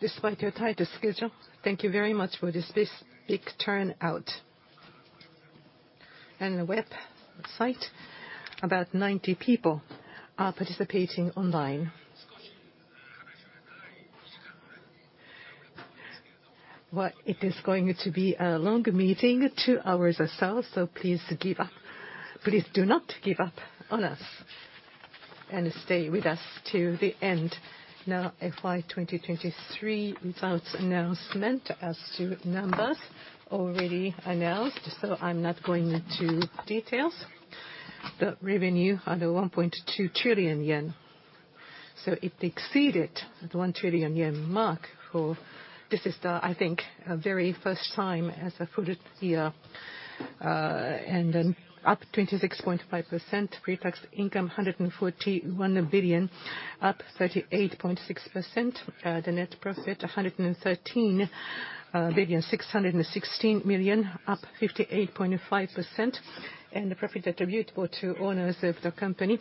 Despite your tight schedule, thank you very much for this big, big turnout. The website, about 90 people are participating online. Well, it is going to be a long meeting, two hours or so, so please give up please do not give up on us and stay with us to the end. Now, FY 2023 results announcement as to numbers already announced, so I'm not going into details. The revenue under 1.2 trillion yen, so it exceeded the 1 trillion yen mark for this is the, I think, very first time as a full year. and then up 26.5%. Pre-tax income 141 billion, up 38.6%. the net profit 113,616 million, up 58.5%. And the profit attributable to owners of the company,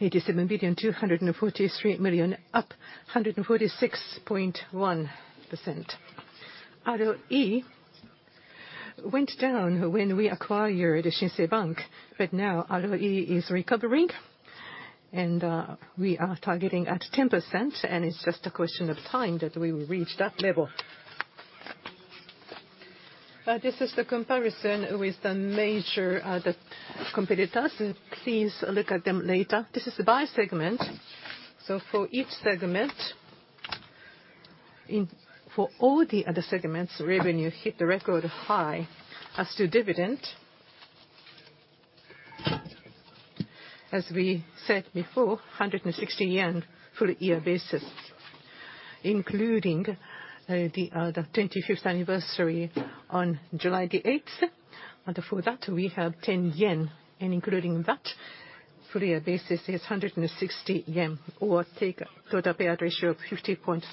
87,243 million, up 146.1%. ROE went down when we acquired Shinsei Bank. Right now, ROE is recovering, and, we are targeting at 10%. It's just a question of time that we will reach that level. This is the comparison with the major competitors. Please look at them later. This is the buy segment. So for each segment in for all the other segments, revenue hit the record high as to dividend. As we said before, 160 yen full year basis, including the 25th anniversary on July the 8th. And for that, we have 10 yen. And including that, full year basis is 160 yen, our total payout ratio of 50.6%.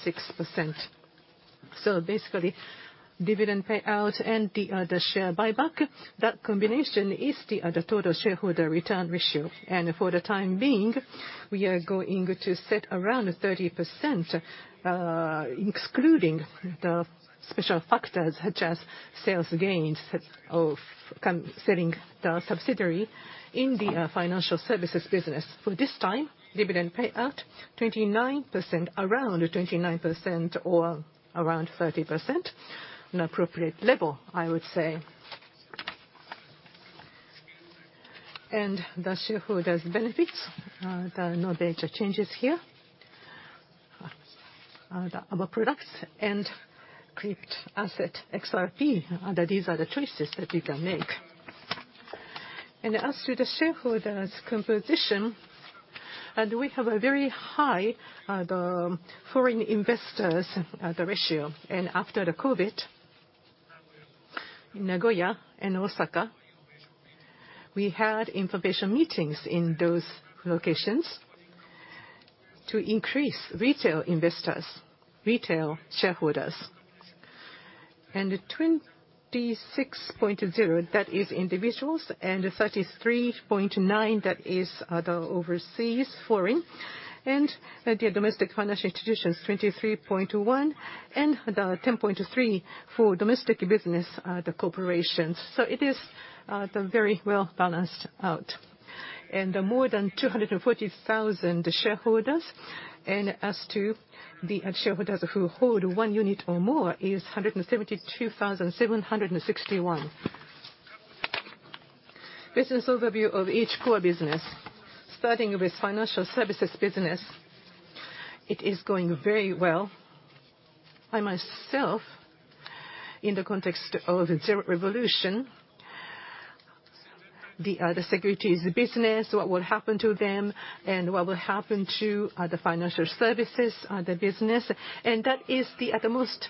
So basically, dividend payout and the share buyback, that combination is the total shareholder return ratio. And for the time being, we are going to set around 30%, including the special factors such as sales gains from selling the subsidiary in the Financial Services business. For this time, dividend payout 29%, around 29%, or around 30%, an appropriate level, I would say. The shareholders' benefits, there are no major changes here, the other products and crypto asset XRP. These are the choices that you can make. As to the shareholders' composition, we have a very high, the foreign investors, the ratio. After the COVID in Nagoya and Osaka, we had information meetings in those locations to increase retail investors, retail shareholders. 26.0, that is individuals, and 33.9, that is, the overseas, foreign. The domestic financial institutions, 23.1, and the 10.3 for domestic business, the corporations. So it is, the very well balanced out. More than 240,000 shareholders, and as to the shareholders who hold one unit or more is 172,761. Business overview of each core business. Starting with financial services business, it is going very well. I myself, in the context of the Zero Revolution, the securities business, what will happen to them, and what will happen to the financial services business. That is the most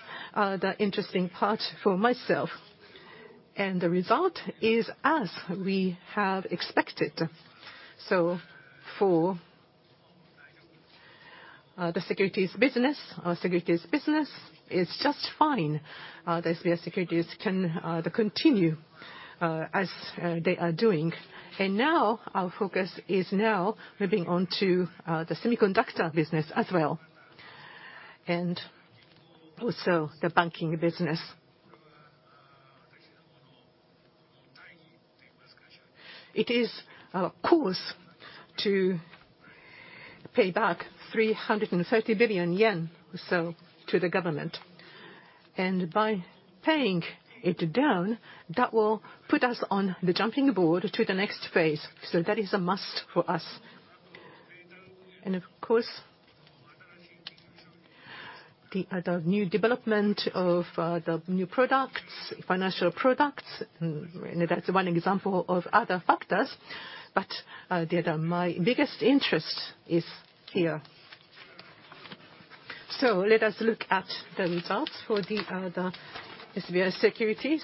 interesting part for myself. The result is as we have expected. So for the securities business, our securities business is just fine. The SBI Securities can continue as they are doing. Now our focus is moving on to the semiconductor business as well, and also the banking business. It is, of course, to pay back 330 billion yen to the government. By paying it down, that will put us on the jumping board to the next phase. That is a must for us. Of course, the new development of the new financial products, and that's one example of other factors. But my biggest interest is here. So let us look at the results for the SBI Securities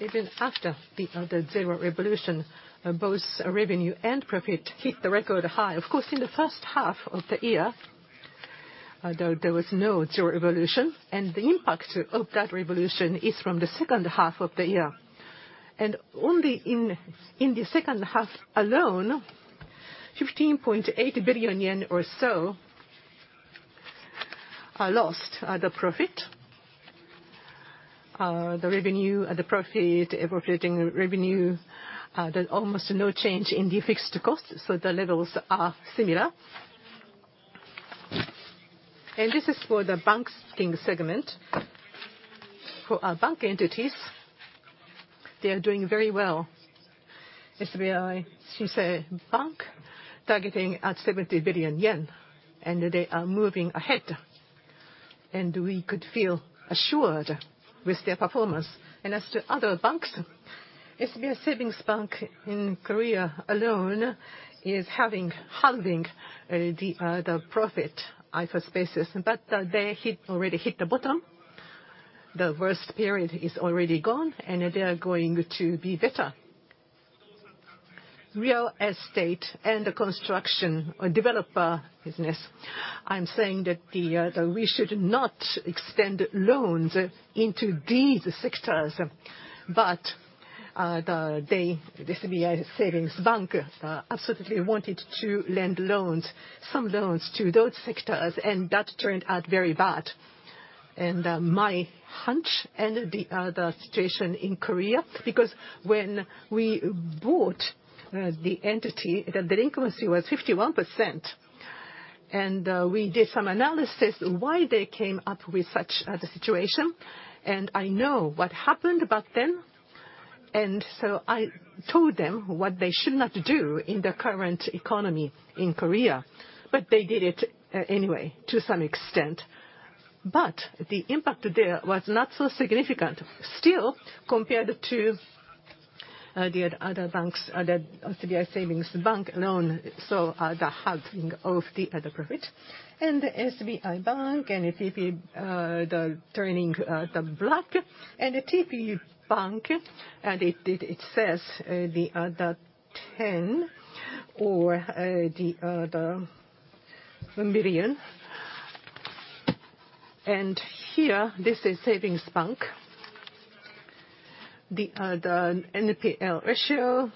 even after the Zero Revolution. Both revenue and profit hit the record high. Of course, in the first half of the year, though there was no Zero Revolution. The impact of that revolution is from the second half of the year. And only in the second half alone, 15.8 billion yen or so are lost, the profit, the revenue, the profit, evaluating revenue. There's almost no change in the fixed cost, so the levels are similar. And this is for the banking segment. For bank entities, they are doing very well. SBI Shinsei Bank targeting at 70 billion yen, and they are moving ahead. And we could feel assured with their performance. And as to other banks, SBI Savings Bank in Korea alone is having halving the profit IFRS basis. But they already hit the bottom. The worst period is already gone, and they are going to be better. Real estate and the construction or developer business, I'm saying that we should not extend loans into these sectors. But the SBI Savings Bank absolutely wanted to lend loans, some loans to those sectors, and that turned out very bad. And my hunch and the situation in Korea because when we bought the entity, the increment was 51%. And we did some analysis why they came up with such the situation. And I know what happened back then. And so I told them what they should not do in the current economy in Korea. But they did it anyway, to some extent. But the impact there was not so significant still compared to other banks, the SBI Savings Bank alone, the halving of the profit. And the SBI Bank and the TP, the turning, the block. And the TP Bank, it says the 10 or the million. And here, this is Savings Bank. The NPL ratio.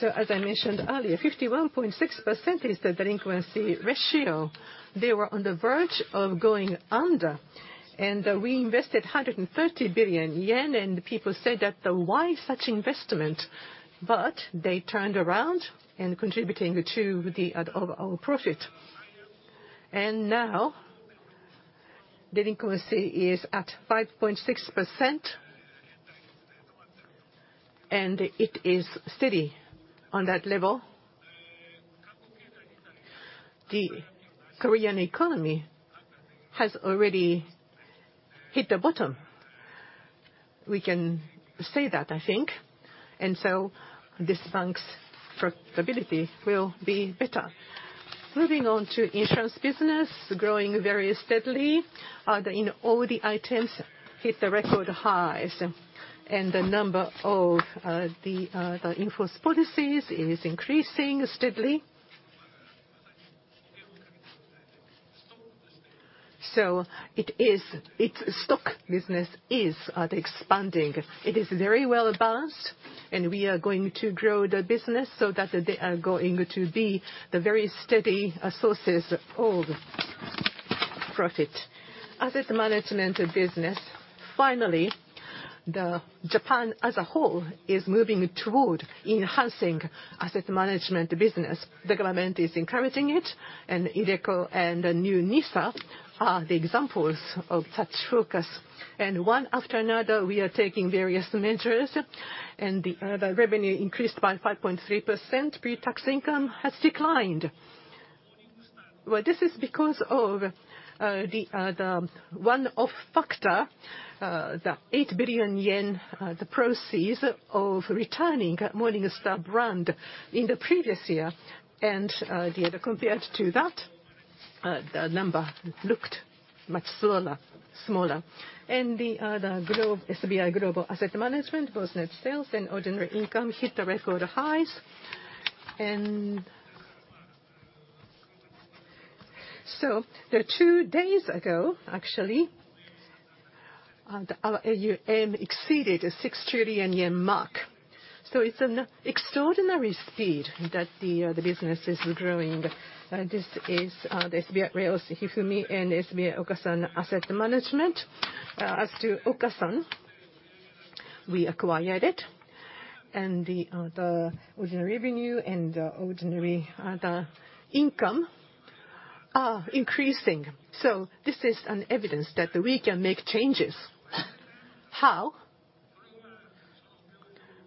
So as I mentioned earlier, 51.6% is the delinquency ratio. They were on the verge of going under. And we invested 130 billion yen, and people said that, "Why such investment?" But they turned around and contributing to our profit. And now delinquency is at 5.6%, and it is steady on that level. The Korean economy has already hit the bottom. We can say that, I think. And so this bank's profitability will be better. Moving on to insurance business, growing very steadily. Then, in all the items hit the record highs. And the number of the insurance policies is increasing steadily. So it is its stock business is expanding. It is very well balanced, and we are going to grow the business so that they are going to be the very steady sources of profit. Asset management business. Finally, Japan as a whole is moving toward enhancing asset management business. The government is encouraging it, and iDeCo and the new NISA are the examples of such focus. And one after another, we are taking various measures. And the revenue increased by 5.3%. Pre-tax income has declined. Well, this is because of the one-off factor, the 8 billion yen proceeds of returning Morningstar brand in the previous year. And compared to that, the number looked much smaller. And the SBI Global Asset Management, both net sales and ordinary income hit the record highs. And so 2 days ago, actually, our AUM exceeded the 6 trillion yen mark. So it's an extraordinary speed that the business is growing. This is the SBI Rheos Hifumi and SBI Okasan Asset Management. As to Okasan, we acquired it. And the ordinary revenue and the ordinary income are increasing. So this is evidence that we can make changes. How?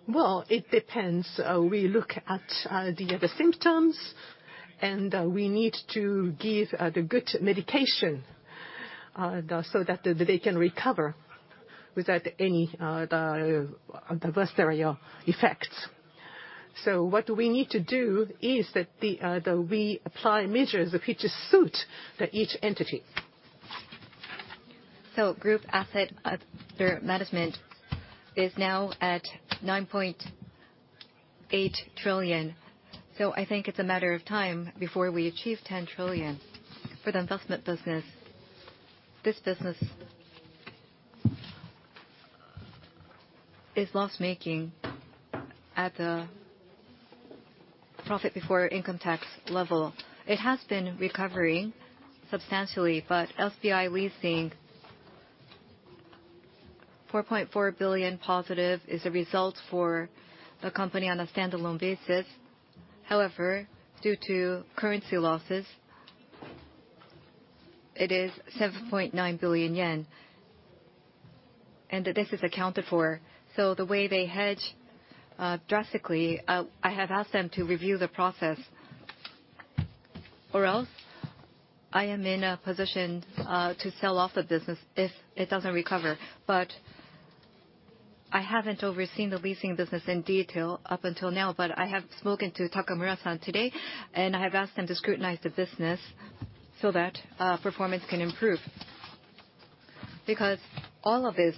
Well, it depends. We look at the symptoms, and we need to give the good medication so that they can recover without any adversarial effects. So what we need to do is that we apply measures which suit each entity. So group asset management is now at 9.8 trillion. So I think it's a matter of time before we achieve 10 trillion. For the investment business, this business is loss-making at the profit before income tax level. It has been recovering substantially, but SBI Leasing 4.4 billion positive is a result for the company on a standalone basis. However, due to currency losses, it is 7.9 billion yen. And this is accounted for. So the way they hedge, drastically, I have asked them to review the process. Or else, I am in a position, to sell off the business if it doesn't recover. But I haven't overseen the leasing business in detail up until now. But I have spoken to Takamura-san today, and I have asked him to scrutinize the business so that, performance can improve. Because all of this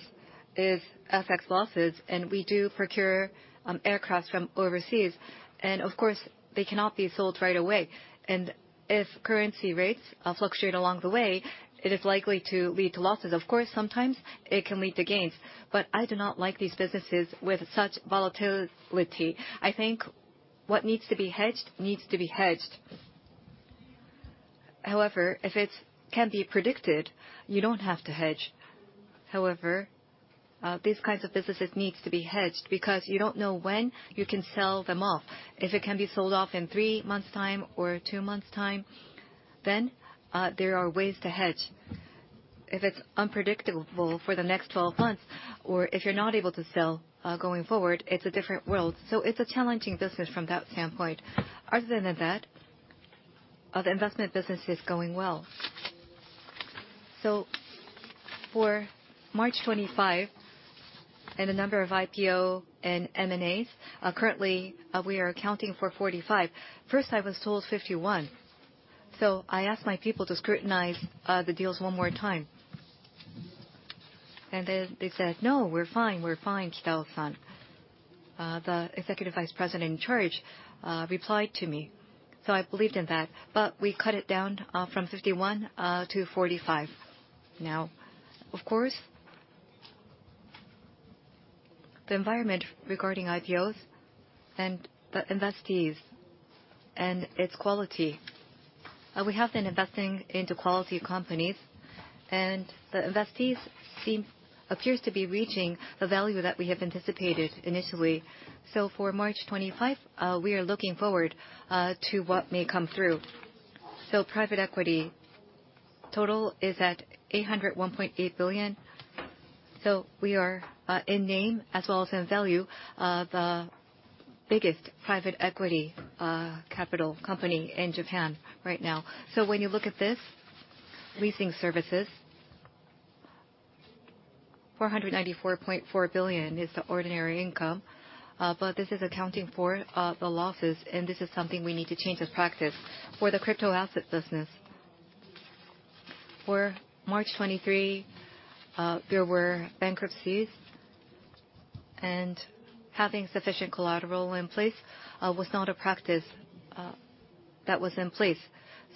is FX losses, and we do procure, aircraft from overseas. And of course, they cannot be sold right away. If currency rates fluctuate along the way, it is likely to lead to losses. Of course, sometimes it can lead to gains. But I do not like these businesses with such volatility. I think what needs to be hedged needs to be hedged. However, if it can be predicted, you don't have to hedge. However, these kinds of businesses need to be hedged because you don't know when you can sell them off. If it can be sold off in three months' time or two months' time, then there are ways to hedge. If it's unpredictable for the next 12 months or if you're not able to sell, going forward, it's a different world. So it's a challenging business from that standpoint. Other than that, the investment business is going well. So for March 2025 and the number of IPO and M&As, currently, we are accounting for 45. First, I was told 51. So I asked my people to scrutinize the deals one more time. And then they said, "No, we're fine. We're fine, Kitao-san," the Executive Vice President in charge replied to me. So I believed in that. But we cut it down from 51-45 now. Of course, the environment regarding IPOs and the investees and its quality. We have been investing into quality companies, and the investees seem to appear to be reaching the value that we have anticipated initially. So for March 25, we are looking forward to what may come through. So private equity total is at 801.8 billion. So we are, in name as well as in value, the biggest private equity capital company in Japan right now. So when you look at this leasing services, 494.4 billion is the ordinary income. But this is accounting for the losses, and this is something we need to change as practice. For the crypto asset business, for March 2023, there were bankruptcies. And having sufficient collateral in place was not a practice that was in place.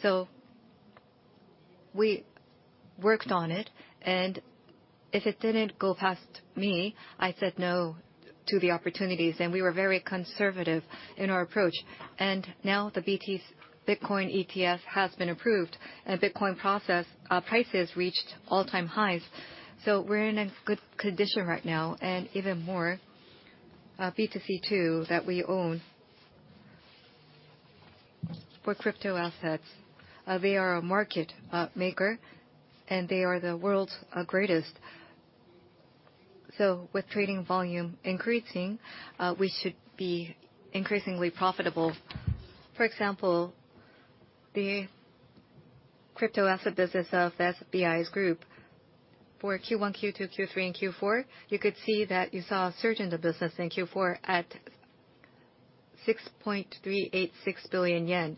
So we worked on it. And if it didn't go past me, I said no to the opportunities. And we were very conservative in our approach. And now the BTC Bitcoin ETF has been approved, and Bitcoin price has reached all-time highs. So we're in a good condition right now. And even more, B2C2 that we own for crypto assets, they are a market maker, and they are the world's greatest. So with trading volume increasing, we should be increasingly profitable. For example, the crypto asset business of SBI's group, for Q1, Q2, Q3, and Q4, you could see that you saw a surge in the business in Q4 at 6.386 billion yen.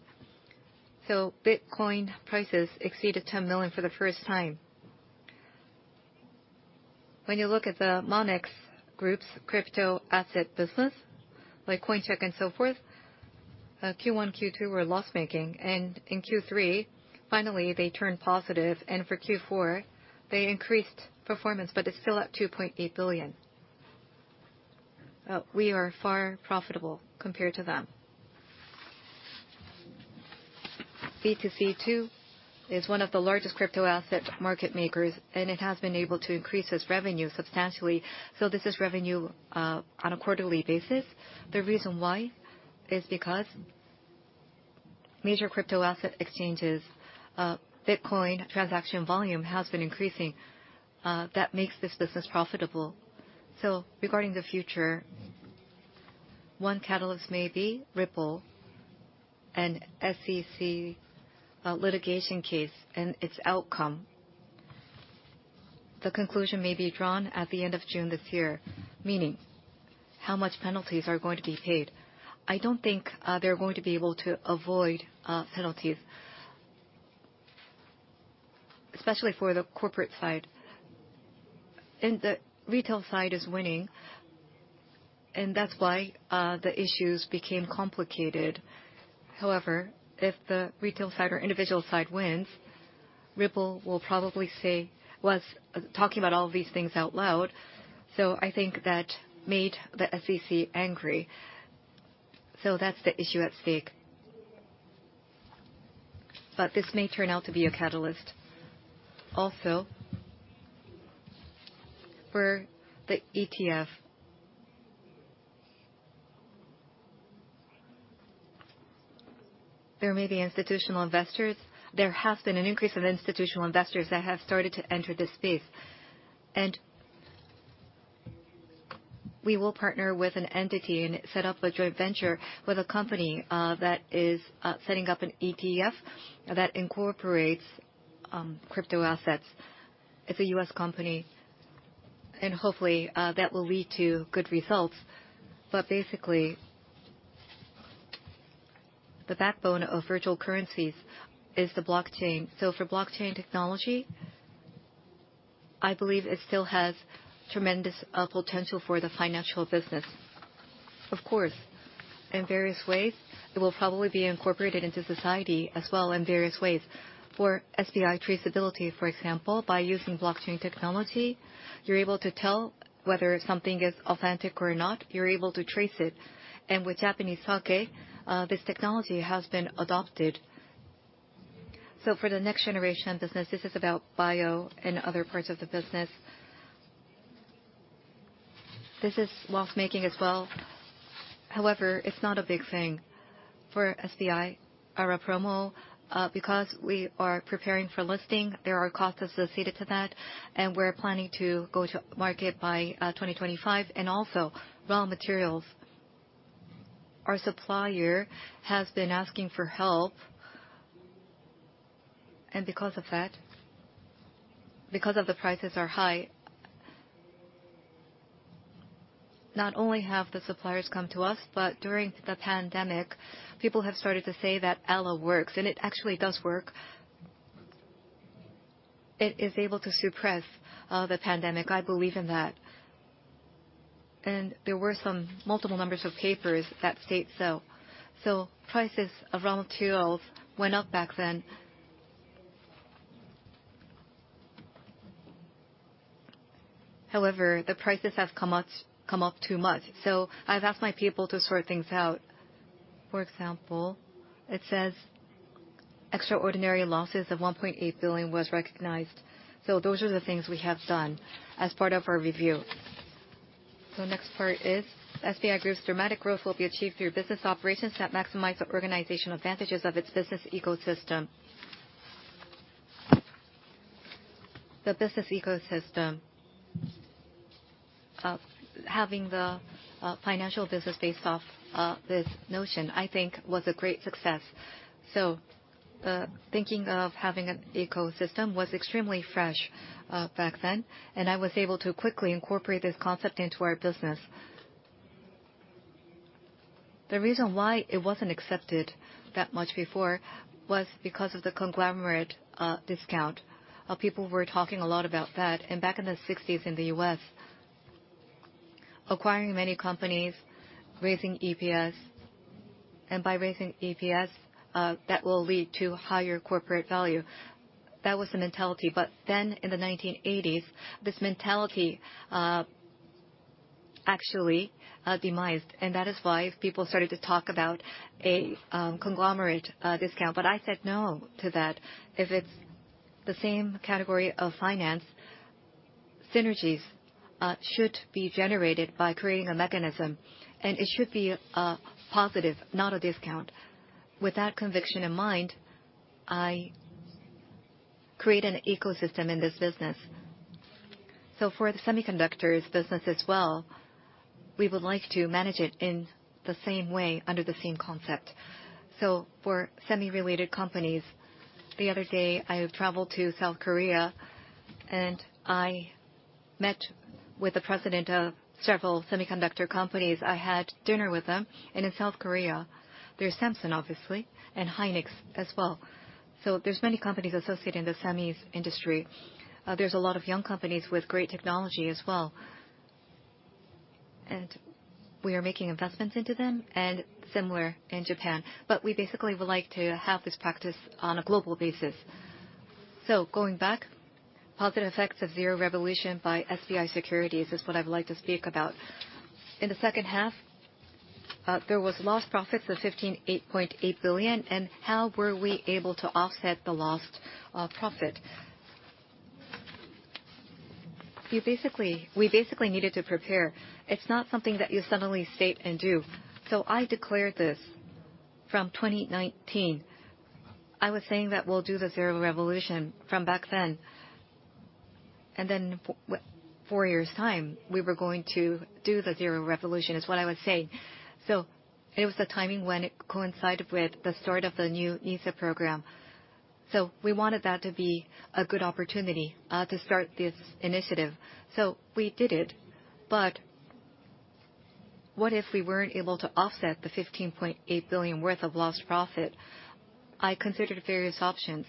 So Bitcoin prices exceeded 10 million for the first time. When you look at the Monex Group's crypto asset business, like Coincheck and so forth, Q1, Q2 were loss-making. And in Q3, finally, they turned positive. And for Q4, they increased performance, but it's still at 2.8 billion. We are far profitable compared to them. B2C2 is one of the largest crypto asset market makers, and it has been able to increase its revenue substantially. So this is revenue, on a quarterly basis. The reason why is because major crypto asset exchanges, Bitcoin transaction volume has been increasing. That makes this business profitable. So regarding the future, one catalyst may be Ripple and SEC litigation case and its outcome. The conclusion may be drawn at the end of June this year, meaning how much penalties are going to be paid. I don't think they're going to be able to avoid penalties, especially for the corporate side. And the retail side is winning, and that's why the issues became complicated. However, if the retail side or individual side wins, Ripple will probably say was talking about all of these things out loud. So I think that made the SEC angry. So that's the issue at stake. But this may turn out to be a catalyst. Also, for the ETF, there may be institutional investors. There has been an increase of institutional investors that have started to enter this space. We will partner with an entity and set up a joint venture with a company, that is, setting up an ETF that incorporates crypto assets. It's a U.S. company. And hopefully, that will lead to good results. But basically, the backbone of virtual currencies is the blockchain. So for blockchain technology, I believe it still has tremendous potential for the financial business. Of course, in various ways, it will probably be incorporated into society as well in various ways. For SBI Traceability, for example, by using blockchain technology, you're able to tell whether something is authentic or not. You're able to trace it. And with Japanese sake, this technology has been adopted. So for the next generation business, this is about bio and other parts of the business. This is loss-making as well. However, it's not a big thing for SBI. ALApromo, because we are preparing for listing, there are costs associated to that. And we're planning to go to market by 2025. And also, raw materials. Our supplier has been asking for help. And because of that, because of the prices are high, not only have the suppliers come to us, but during the pandemic, people have started to say that ALA works. And it actually does work. It is able to suppress the pandemic. I believe in that. And there were some multiple numbers of papers that state so. So prices of raw materials went up back then. However, the prices have come up come up too much. So I've asked my people to sort things out. For example, it says extraordinary losses of 1.8 billion was recognized. So those are the things we have done as part of our review. So next part is SBI Group's dramatic growth will be achieved through business operations that maximize the organizational advantages of its business ecosystem. The business ecosystem, having the financial business based off this notion, I think, was a great success. Thinking of having an ecosystem was extremely fresh, back then. I was able to quickly incorporate this concept into our business. The reason why it wasn't accepted that much before was because of the conglomerate discount. People were talking a lot about that. Back in the 1960s in the US, acquiring many companies, raising EPS. By raising EPS, that will lead to higher corporate value. That was the mentality. Then in the 1980s, this mentality actually demised. That is why people started to talk about a conglomerate discount. I said no to that. If it's the same category of finance, synergies should be generated by creating a mechanism. And it should be positive, not a discount. With that conviction in mind, I create an ecosystem in this business. So for the semiconductors business as well, we would like to manage it in the same way under the same concept. So for semi-related companies, the other day I traveled to South Korea, and I met with the president of several semiconductor companies. I had dinner with them. And in South Korea, there's Samsung, obviously, and SK Hynix as well. So there's many companies associated in the semis industry. There's a lot of young companies with great technology as well. And we are making investments into them and similar in Japan. But we basically would like to have this practice on a global basis. So going back, positive effects of Zero Revolution by SBI Securities is what I would like to speak about. In the second half, there was lost profits of 158.8 billion. And how were we able to offset the lost profit? We basically needed to prepare. It's not something that you suddenly state and do. So I declared this from 2019. I was saying that we'll do the Zero Revolution from back then. And then four years' time, we were going to do the Zero Revolution is what I was saying. So it was the timing when it coincided with the start of the new NISA program. So we wanted that to be a good opportunity to start this initiative. So we did it. But what if we weren't able to offset the 15.8 billion worth of lost profit? I considered various options.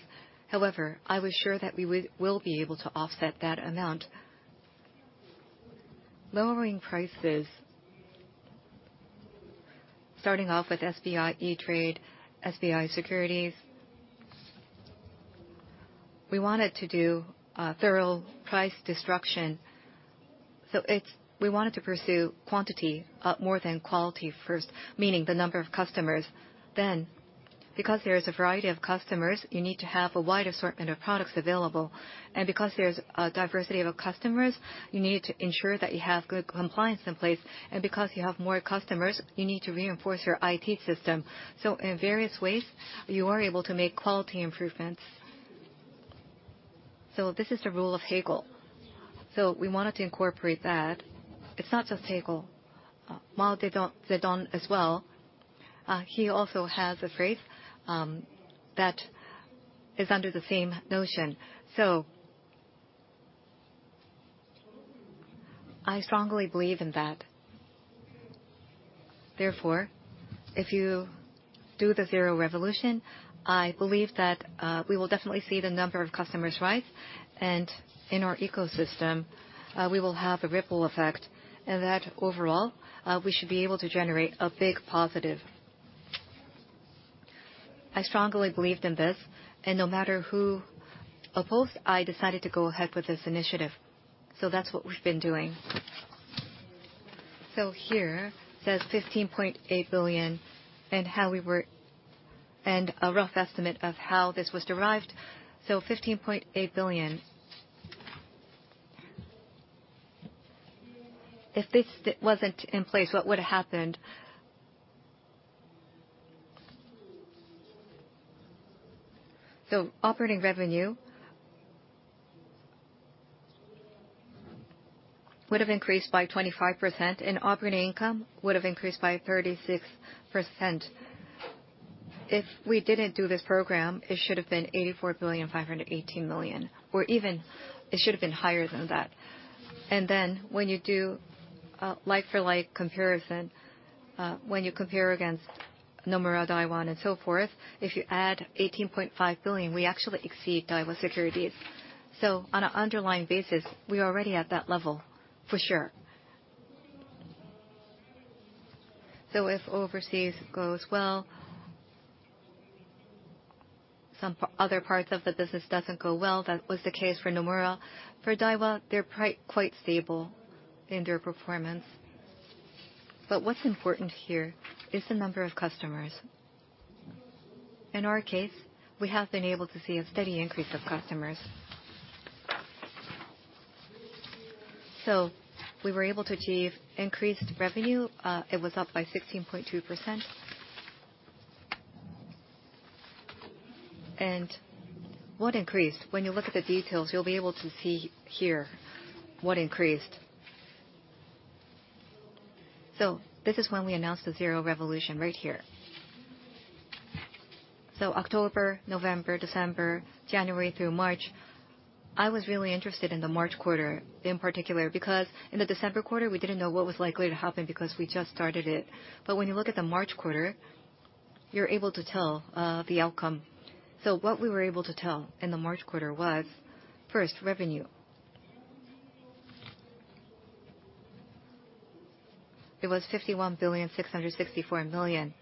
However, I was sure that we would be able to offset that amount. Lowering prices, starting off with SBI eTrade, SBI Securities. We wanted to do thorough price destruction. So we wanted to pursue quantity more than quality first, meaning the number of customers. Then because there is a variety of customers, you need to have a wide assortment of products available. And because there's a diversity of customers, you need to ensure that you have good compliance in place. And because you have more customers, you need to reinforce your IT system. So in various ways, you are able to make quality improvements. So this is the rule of Hegel. So we wanted to incorporate that. It's not just Hegel. Mao Zedong as well, he also has a phrase that is under the same notion. So I strongly believe in that. Therefore, if you do the Zero Revolution, I believe that we will definitely see the number of customers rise. And in our ecosystem, we will have a ripple effect. And that overall, we should be able to generate a big positive. I strongly believed in this. And no matter who opposed, I decided to go ahead with this initiative. So that's what we've been doing. So here says 15.8 billion and how we were and a rough estimate of how this was derived. So 15.8 billion. If this wasn't in place, what would have happened? So operating revenue would have increased by 25%. And operating income would have increased by 36%. If we didn't do this program, it should have been 84.518 million. Or even it should have been higher than that. Then when you do a like-for-like comparison, when you compare against Nomura, Daiwa, and so forth, if you add 18.5 billion, we actually exceed Daiwa Securities. So on an underlying basis, we're already at that level, for sure. So if overseas goes well, some other parts of the business doesn't go well. That was the case for Nomura. For Daiwa, they're pretty quite stable in their performance. But what's important here is the number of customers. In our case, we have been able to see a steady increase of customers. So we were able to achieve increased revenue. It was up by 16.2%. And what increased? When you look at the details, you'll be able to see here what increased. So this is when we announced the Zero Revolution right here. So October, November, December, January through March, I was really interested in the March quarter in particular because in the December quarter, we didn't know what was likely to happen because we just started it. But when you look at the March quarter, you're able to tell the outcome. So what we were able to tell in the March quarter was, first, revenue. It was 51.664 million.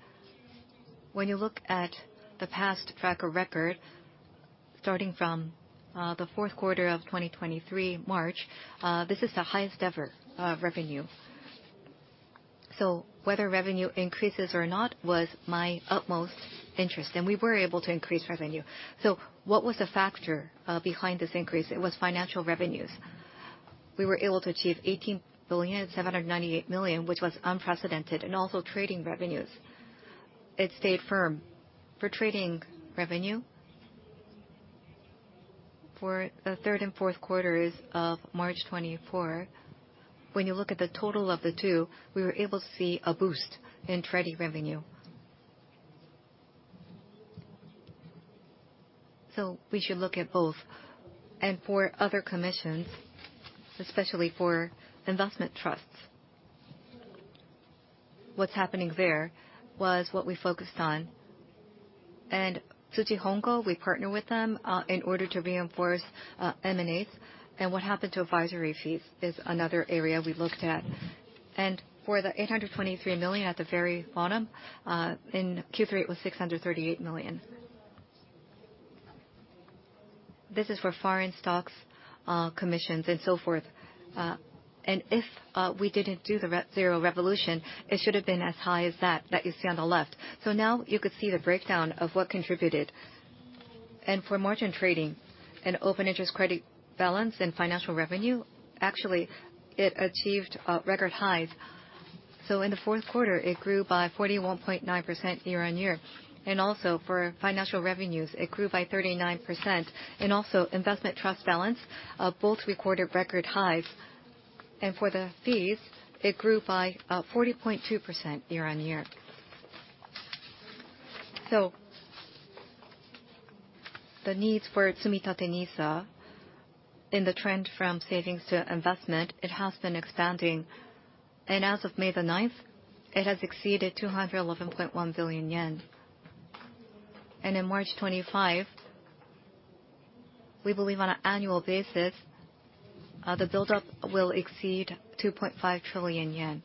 When you look at the past track record, starting from the fourth quarter of 2023 March, this is the highest ever revenue. So whether revenue increases or not was my utmost interest. And we were able to increase revenue. So what was the factor behind this increase? It was financial revenues. We were able to achieve 18.798 million, which was unprecedented, and also trading revenues. It stayed firm. For trading revenue, for the third and fourth quarters of March 2024, when you look at the total of the two, we were able to see a boost in trading revenue. So we should look at both. And for other commissions, especially for investment trusts, what's happening there was what we focused on. And Tsuji Hongo, we partner with them, in order to reinforce, M&As. And what happened to advisory fees is another area we looked at. And for the 823 million at the very bottom, in Q3, it was 638 million. This is for foreign stocks, commissions, and so forth. And if we didn't do the Zero Revolution, it should have been as high as that, that you see on the left. So now you could see the breakdown of what contributed. And for margin trading and open interest credit balance and financial revenue, actually, it achieved record highs. In the fourth quarter, it grew by 41.9% year-on-year. For financial revenues, it grew by 39%. Investment trust balance both recorded record highs. For the fees, it grew by 40.2% year-on-year. The needs for Tsumitate NISA in the trend from savings to investment, it has been expanding. As of May 9, it has exceeded 211.1 billion yen. In March 2025, we believe on an annual basis, the buildup will exceed 2.5 trillion yen.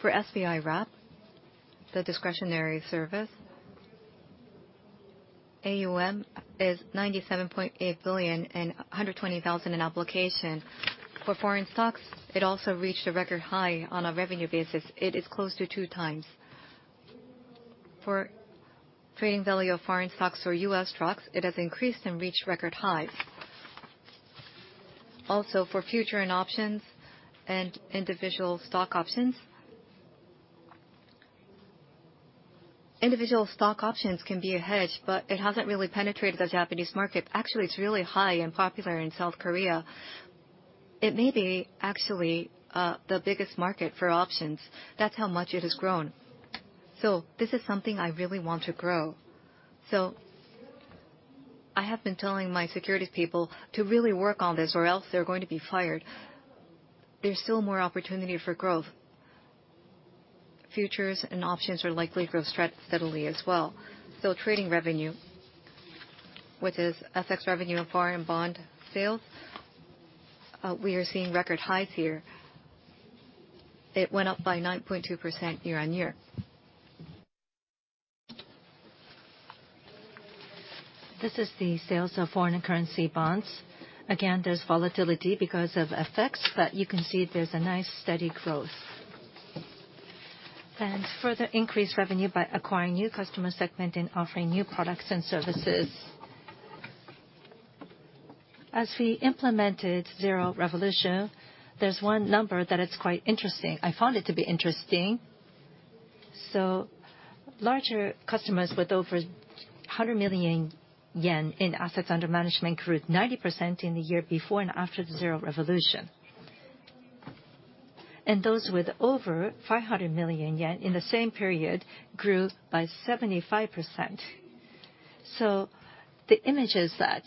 For SBI Wrap, the discretionary service, AUM is 97.8 billion and 120,000 in application. For foreign stocks, it also reached a record high on a revenue basis. It is close to two times. For trading value of foreign stocks or US stocks, it has increased and reached record highs. Also for futures and options and individual stock options, individual stock options can be a hedge, but it hasn't really penetrated the Japanese market. Actually, it's really high and popular in South Korea. It may be, actually, the biggest market for options. That's how much it has grown. So this is something I really want to grow. So I have been telling my securities people to really work on this or else they're going to be fired. There's still more opportunity for growth. Futures and options are likely to grow steadily as well. So trading revenue, which is FX revenue and foreign bond sales, we are seeing record highs here. It went up by 9.2% year-on-year. This is the sales of foreign currency bonds. Again, there's volatility because of FX, but you can see there's a nice steady growth. Further increased revenue by acquiring new customer segment and offering new products and services. As we implemented Zero Revolution, there's one number that it's quite interesting. I found it to be interesting. So larger customers with over 100 million yen in assets under management grew 90% in the year before and after the Zero Revolution. And those with over 500 million yen in the same period grew by 75%. So the image is that,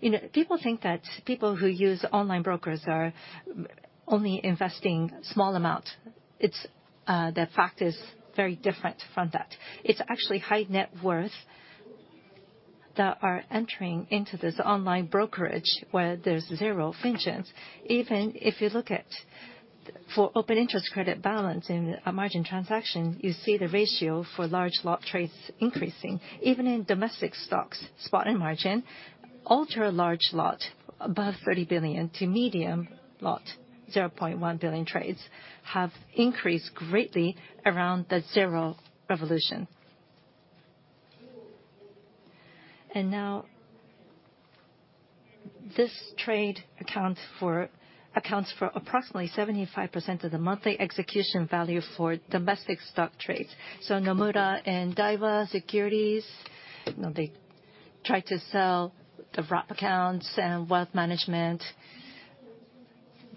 you know, people think that people who use online brokers are only investing small amounts. It's, the fact is very different from that. It's actually high net worth that are entering into this online brokerage where there's zero finance. Even if you look at for open interest credit balance in a margin transaction, you see the ratio for large lot trades increasing. Even in domestic stocks, spot and margin, ultra large lot above 30 billion to medium lot 0.1 billion trades have increased greatly around the Zero Revolution. And now this trade accounts for approximately 75% of the monthly execution value for domestic stock trades. So Nomura and Daiwa Securities, you know, they tried to sell the RAP accounts and wealth management.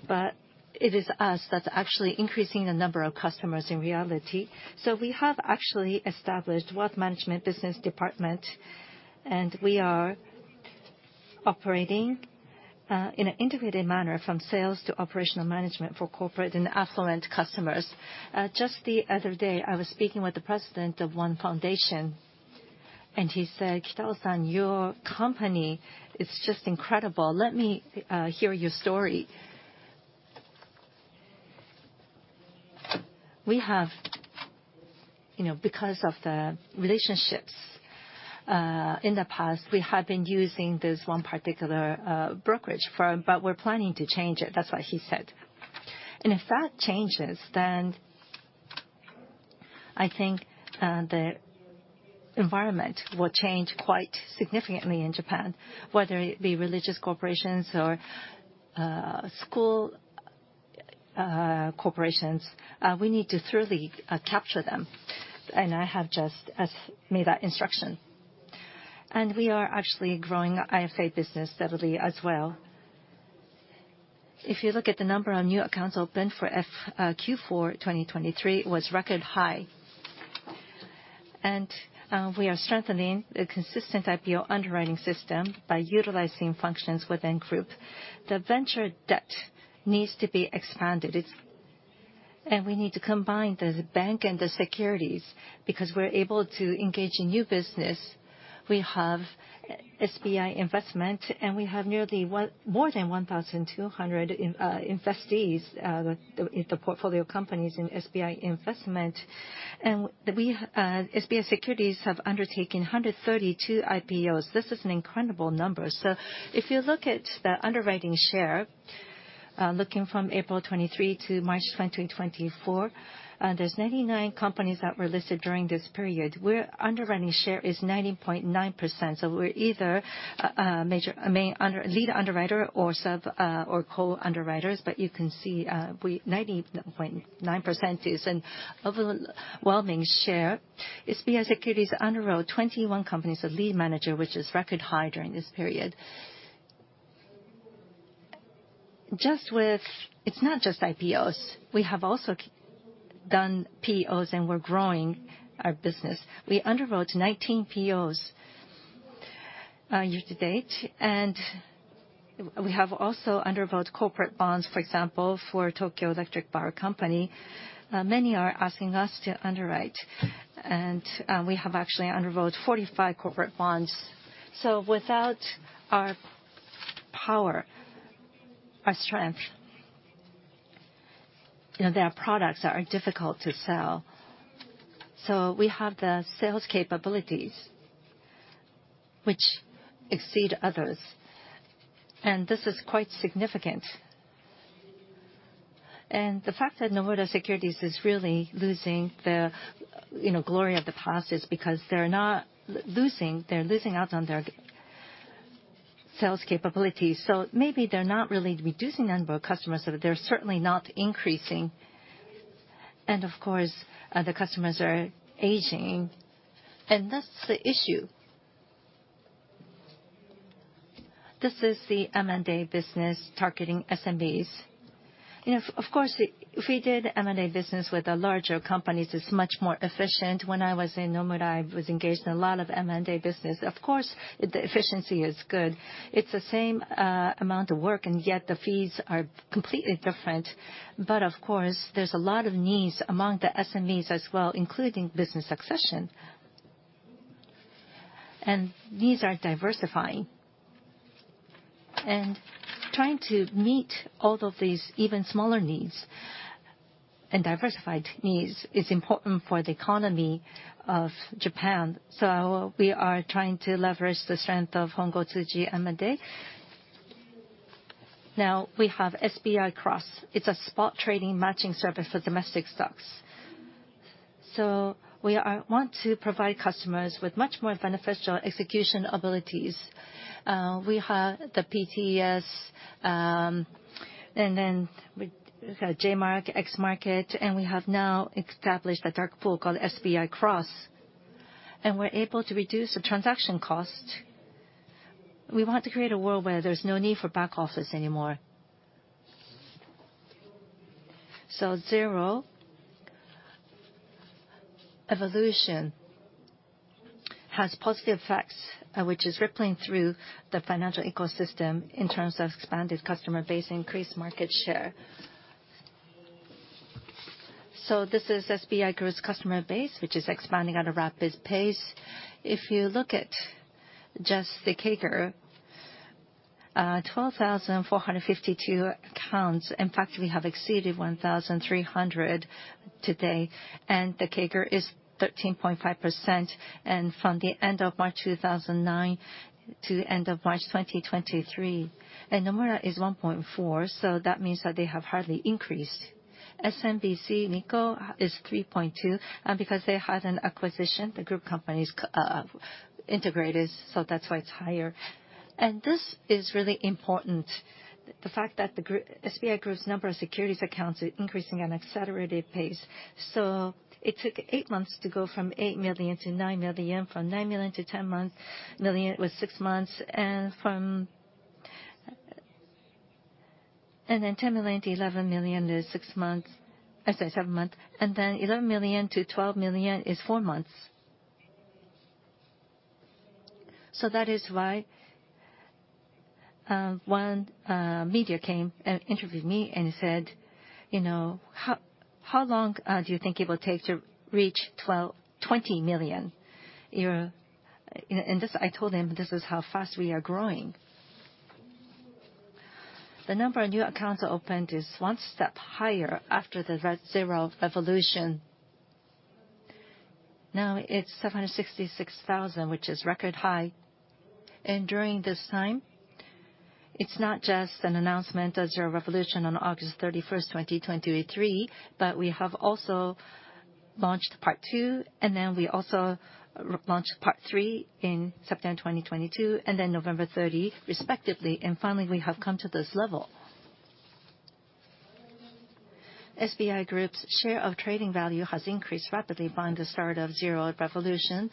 But it is us that's actually increasing the number of customers in reality. So we have actually established wealth management business department. And we are operating in an integrated manner from sales to operational management for corporate and affluent customers. Just the other day, I was speaking with the president of one foundation. And he said, "Kitao-san, your company is just incredible. Let me hear your story." We have, you know, because of the relationships, in the past, we have been using this one particular brokerage for but we're planning to change it. That's what he said. And if that changes, then I think the environment will change quite significantly in Japan, whether it be religious corporations or school corporations. We need to thoroughly capture them. And I have just made that instruction. And we are actually growing IFA business steadily as well. If you look at the number of new accounts opened for F, Q4 2023, it was record high. And we are strengthening the consistent IPO underwriting system by utilizing functions within group. The venture debt needs to be expanded. It's and we need to combine the bank and the securities because we're able to engage in new business. We have SBI Investment. We have nearly 1,200 investees, the portfolio companies in SBI Investment. SBI Securities have undertaken 132 IPOs. This is an incredible number. If you look at the underwriting share, looking from April 2023 to March 2024, there's 99 companies that were listed during this period. Our underwriting share is 90.9%. We're either major, a main under lead underwriter or sub- or co-underwriters. But you can see, we 90.9% is an overwhelming share. SBI Securities underwrote 21 companies of lead manager, which is record high during this period. It's not just IPOs. We have also done POs, and we're growing our business. We underwrote 19 POs, year to date. We have also underwrote corporate bonds, for example, for Tokyo Electric Power Company. Many are asking us to underwrite. We have actually underwrote 45 corporate bonds. So without our power, our strength, you know, there are products that are difficult to sell. So we have the sales capabilities, which exceed others. And this is quite significant. And the fact that Nomura Securities is really losing the, you know, glory of the past is because they're not losing they're losing out on their sales capabilities. So maybe they're not really reducing the number of customers, but they're certainly not increasing. And of course, the customers are aging. And that's the issue. This is the M&A business targeting SMBs. You know, of course, if we did M&A business with the larger companies, it's much more efficient. When I was in Nomura, I was engaged in a lot of M&A business. Of course, the efficiency is good. It's the same amount of work, and yet the fees are completely different. But of course, there's a lot of needs among the SMBs as well, including business succession. And these are diversifying. And trying to meet all of these even smaller needs and diversified needs is important for the economy of Japan. So we are trying to leverage the strength of Tsuji Hongo M&A. Now, we have SBI Cross. It's a spot trading matching service for domestic stocks. So we want to provide customers with much more beneficial execution abilities. We have the PTS, and then we've got J-Market, X-Market. And we have now established a dark pool called SBI Cross. And we're able to reduce the transaction cost. We want to create a world where there's no need for back office anymore. So Zero Revolution has positive effects, which is rippling through the financial ecosystem in terms of expanded customer base, increased market share. So this is SBI Growth's customer base, which is expanding at a rapid pace. If you look at just the CAGR, 12,452 accounts. In fact, we have exceeded 1,300 today. And the CAGR is 13.5% from the end of March 2009 to end of March 2023. And Nomura is 1.4, so that means that they have hardly increased. SMBC Nikko is 3.2, because they had an acquisition. The group company's, integrated, so that's why it's higher. And this is really important, the fact that the SBI Group's number of securities accounts is increasing at an accelerated pace. So it took eight months to go from 8 million-9 million, from 9 million-10 million it was six months. And then 10 million-11 million is six months I said seven months. And then 11 million-12 million is four months. So that is why, one, media came and interviewed me and said, you know, how, how long, do you think it will take to reach 12 million-20 million a year? You know, and this I told them, this is how fast we are growing. The number of new accounts opened is one step higher after the Zero Revolution. Now, it's 766,000, which is record high. And during this time, it's not just an announcement of Zero Revolution on August 31st, 2023, but we have also launched part two. And then we also launched part three in September 2022 and then November 30, respectively. And finally, we have come to this level. SBI Group's share of trading value has increased rapidly by the start of Zero Revolution.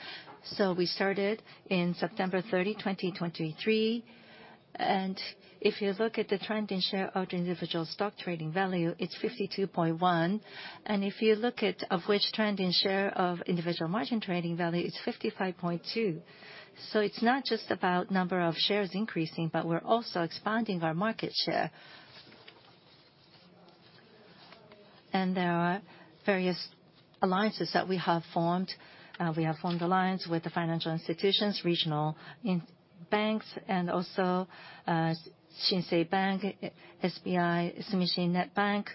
So we started in September 30, 2023. And if you look at the trend in share of individual stock trading value, it's 52.1%. If you look at the trend in share of individual margin trading value, it's 55.2%. So it's not just about number of shares increasing, but we're also expanding our market share. There are various alliances that we have formed. We have formed alliance with the financial institutions, regional banks, and also, SBI Shinsei Bank, SBI Sumishin Net Bank.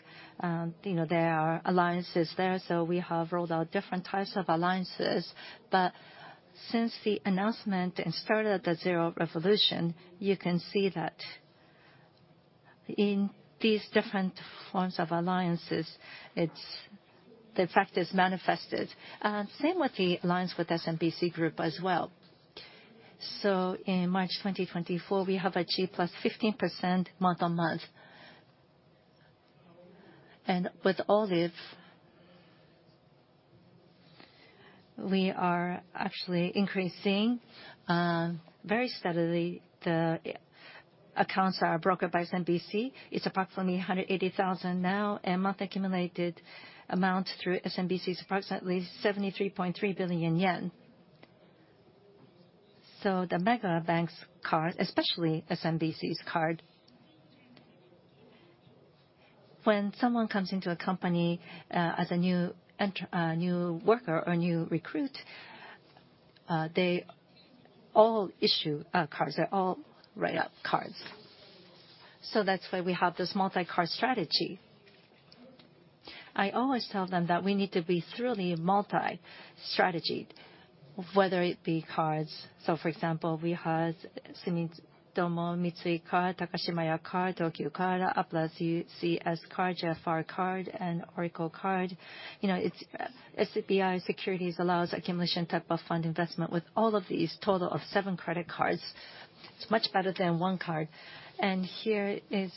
You know, there are alliances there. So we have rolled out different types of alliances. But since the announcement and started at the Zero Revolution, you can see that in these different forms of alliances, it's the effect is manifested. Same with the alliance with SMBC Group as well. So in March 2024, we have achieved +15% month-on-month. And with Olive, we are actually increasing, very steadily. The accounts are brokered by SMBC. It's approximately 180,000 now. Month accumulated amount through SMBC is approximately 73.3 billion yen. So the mega banks card, especially SMBC's card, when someone comes into a company, as a new enter new worker or new recruit, they all issue cards. They're all write-up cards. So that's why we have this multi-card strategy. I always tell them that we need to be thoroughly multi-strategied, whether it be cards. So for example, we have Sumitomo Mitsui card, Takashimaya card, Tokyu Card, APLUS UCS card, JFR card, and Orico Card. You know, it's SBI Securities allows accumulation type of fund investment with all of these total of seven credit cards. It's much better than one card. And here is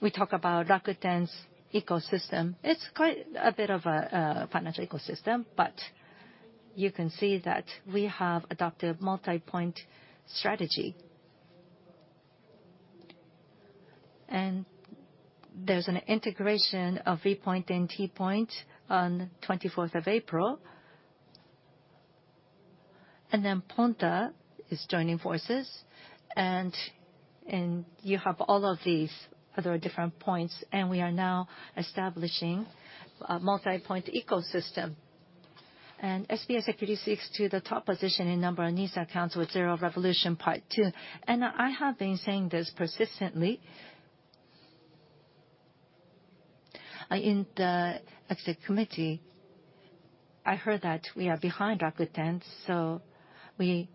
we talk about Rakuten's ecosystem. It's quite a bit of a financial ecosystem. But you can see that we have adopted multi-point strategy. And there's an integration of V-Point and T-Point on 24th of April. And then Ponta is joining forces. And, and you have all of these other different points. And we are now establishing a multi-point ecosystem. And SBI Securities seeks the top position in number of NISA accounts with Zero Revolution part two. And I have been saying this persistently. In the exec committee, I heard that we are behind Rakuten. So we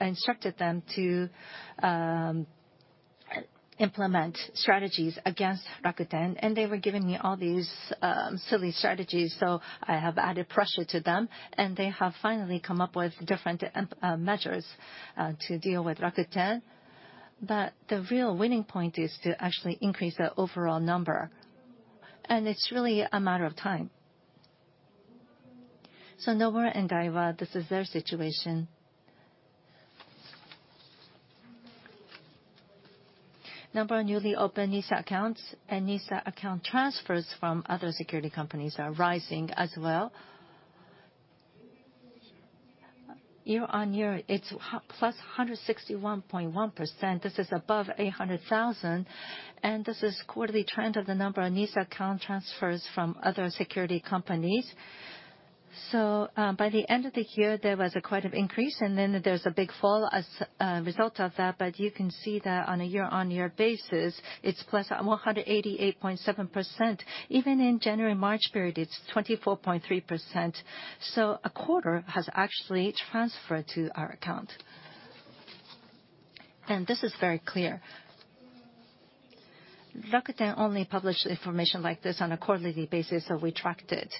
instructed them to implement strategies against Rakuten. And they were giving me all these silly strategies. So I have added pressure to them. And they have finally come up with different measures to deal with Rakuten. But the real winning point is to actually increase the overall number. And it's really a matter of time. So Nomura and Daiwa, this is their situation. Number of newly opened NISA accounts and NISA account transfers from other securities companies are rising as well. Year-on-year, it's +161.1%. This is above 800,000. This is the quarterly trend of the number of NISA account transfers from other securities companies. So, by the end of the year, there was quite an increase. And then there's a big fall as a result of that. But you can see that on a year-on-year basis, it's +188.7%. Even in January-March period, it's 24.3%. So a quarter has actually transferred to our account. And this is very clear. Rakuten only publishes information like this on a quarterly basis, so we tracked it.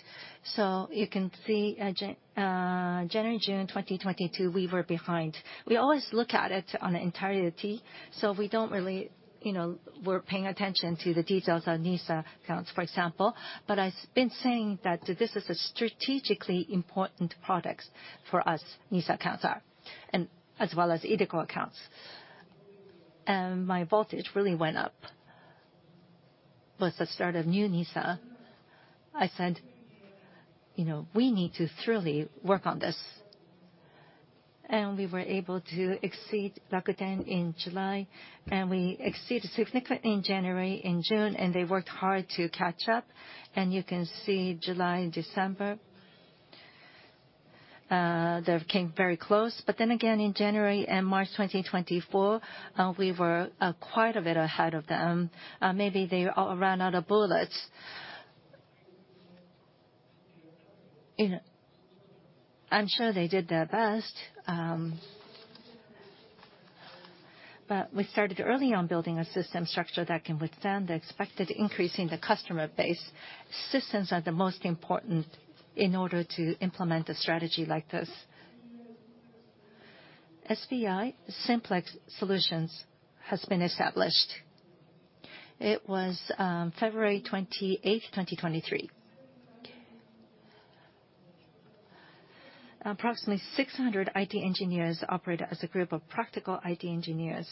So you can see, in January, June 2022, we were behind. We always look at it in its entirety. So we don't really, you know, we're paying attention to the details of NISA accounts, for example. But I've been saying that this is a strategically important product for us, NISA accounts are, and as well as iDeCo accounts. My voltage really went up with the start of new NISA. I said, you know, we need to thoroughly work on this. We were able to exceed Rakuten in July. We exceeded significantly in January, in June. They worked hard to catch up. You can see July, December, they came very close. But then again, in January and March 2024, we were quite a bit ahead of them. Maybe they all ran out of bullets. You know, I'm sure they did their best. But we started early on building a system structure that can withstand the expected increase in the customer base. Systems are the most important in order to implement a strategy like this. SBI Simplex Solutions has been established. It was February 28th, 2023. Approximately 600 IT engineers operate as a group of practical IT engineers.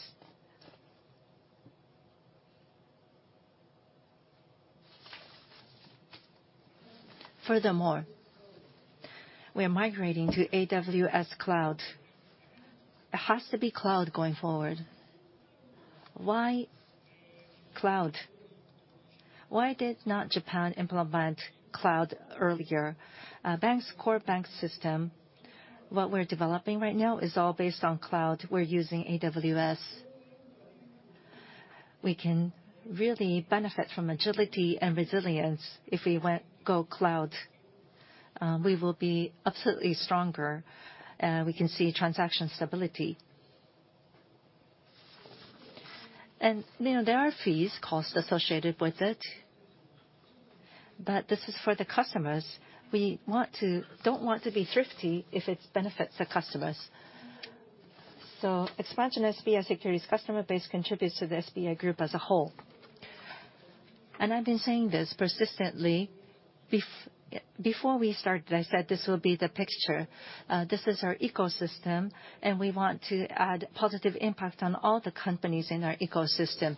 Furthermore, we are migrating to AWS Cloud. It has to be cloud going forward. Why cloud? Why did not Japan implement cloud earlier? Banks, core bank system. What we're developing right now is all based on cloud. We're using AWS. We can really benefit from agility and resilience if we go to cloud. We will be absolutely stronger. And we can see transaction stability. And, you know, there are fees, costs associated with it. But this is for the customers. We don't want to be thrifty if it benefits the customers. So expansion of SBI Securities' customer base contributes to the SBI Group as a whole. And I've been saying this persistently. Before we started, I said this will be the picture. This is our ecosystem. And we want to add positive impact on all the companies in our ecosystem.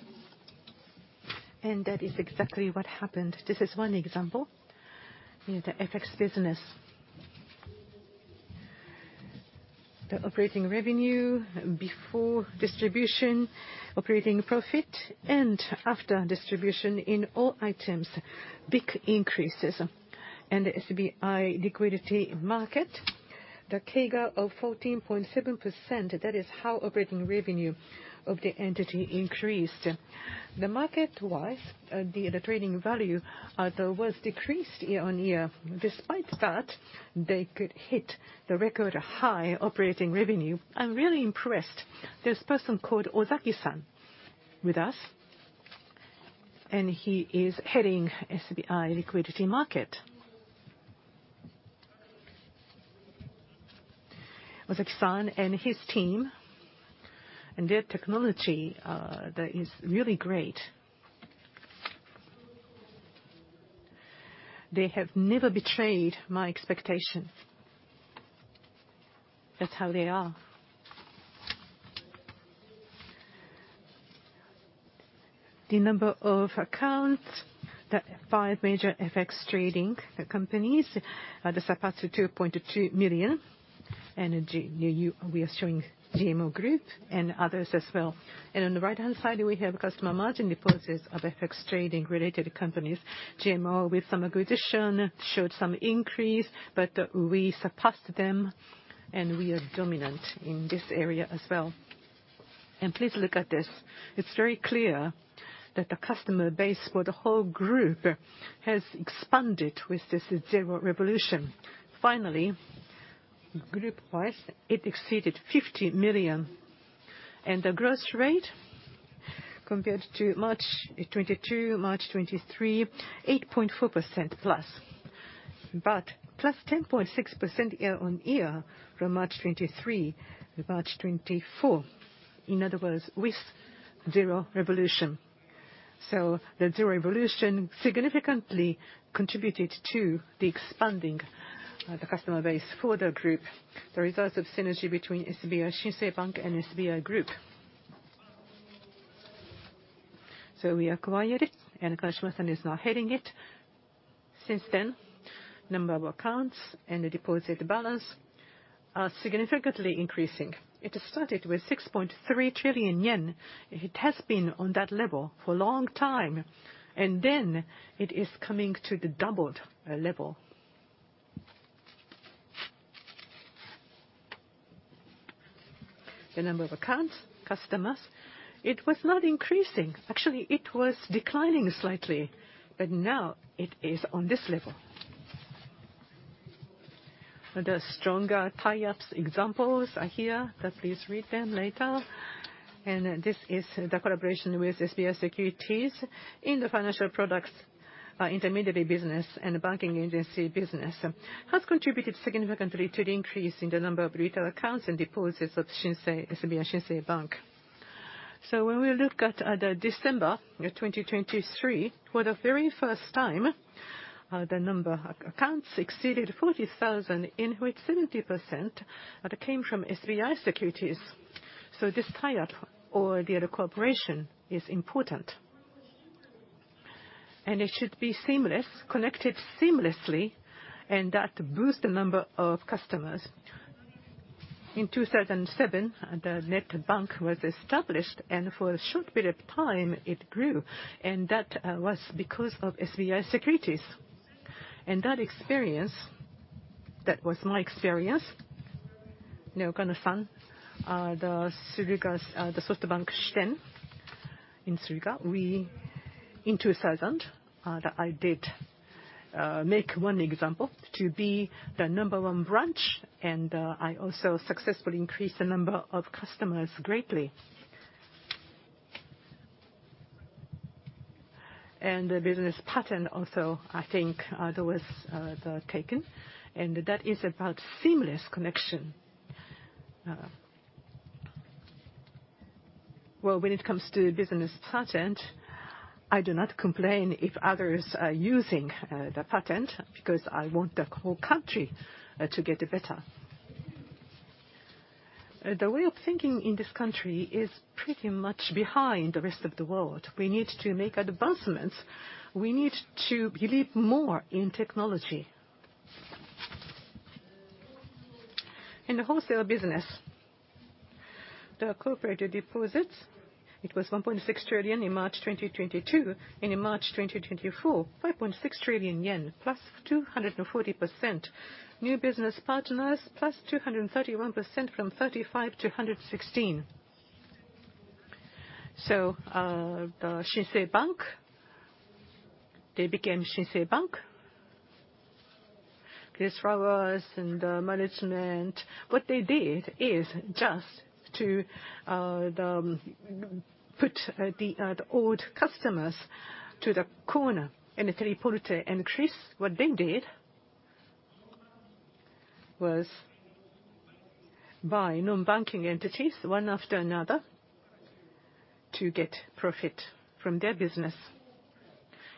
And that is exactly what happened. This is one example. You know, the FX business. The operating revenue before distribution, operating profit, and after distribution in all items, big increases. The SBI Liquidity Market, the CAGR of 14.7%, that is how operating revenue of the entity increased. The market-wise, the trading value, though, was decreased year-on-year. Despite that, they could hit the record high operating revenue. I'm really impressed. There's a person called Ozaki-san with us. He is heading SBI Liquidity Market. Ozaki-san and his team. Their technology, that is really great. They have never betrayed my expectation. That's how they are. The number of accounts, the five major FX trading companies, we surpassed 2.2 million. And then, you see, we are showing GMO Group and others as well. On the right-hand side, we have customer margin deposits of FX trading-related companies. GMO with some acquisition showed some increase, but we surpassed them. We are dominant in this area as well. Please look at this. It's very clear that the customer base for the whole group has expanded with this Zero Revolution. Finally, group-wise, it exceeded 50 million. The growth rate compared to March 2022, March 2023, 8.4%+. But +10.6% year-on-year from March 2023 to March 2024. In other words, with Zero Revolution. The Zero Revolution significantly contributed to the expanding, the customer base for the group, the results of synergy between SBI Shinsei Bank and SBI Group. We acquired it. Kawashima-san is now heading it. Since then, number of accounts and the deposit balance are significantly increasing. It started with 6.3 trillion yen. It has been on that level for a long time. Then it is coming to the doubled level. The number of accounts, customers, it was not increasing. Actually, it was declining slightly. But now it is on this level. The stronger tie-ups examples are here. But please read them later. And this is the collaboration with SBI Securities in the financial products, intermediary business, and banking agency business has contributed significantly to the increase in the number of retail accounts and deposits of SBI Shinsei Bank. So when we look at the December of 2023, for the very first time, the number of accounts exceeded 40,000, in which 70% came from SBI Securities. So this tie-up or the other cooperation is important. And it should be seamless, connected seamlessly, and that boosts the number of customers. In 2007, the net bank was established. And for a short period of time, it grew. And that was because of SBI Securities. That experience, that was my experience. No, Kana-san, the Suruga's the Shinsei Bank branch in Suruga when in 2000, that I did make one example to be the number one branch. And I also successfully increased the number of customers greatly. And the business pattern also, I think, there was the patent. And that is about seamless connection. Well, when it comes to business patent, I do not complain if others are using the patent because I want the whole country to get better. The way of thinking in this country is pretty much behind the rest of the world. We need to make advancements. We need to believe more in technology. In the wholesale business, the cooperative deposits, it was 1.6 trillion in March 2022. And in March 2024, 5.6 trillion yen, +240% new business partners, +231% from 35-116. So, the Shinsei Bank, they became Shinsei Bank. Chris Flowers and the management, what they did is just to put the old customers to the corner and tried to increase. What they did was buy non-banking entities one after another to get profit from their business.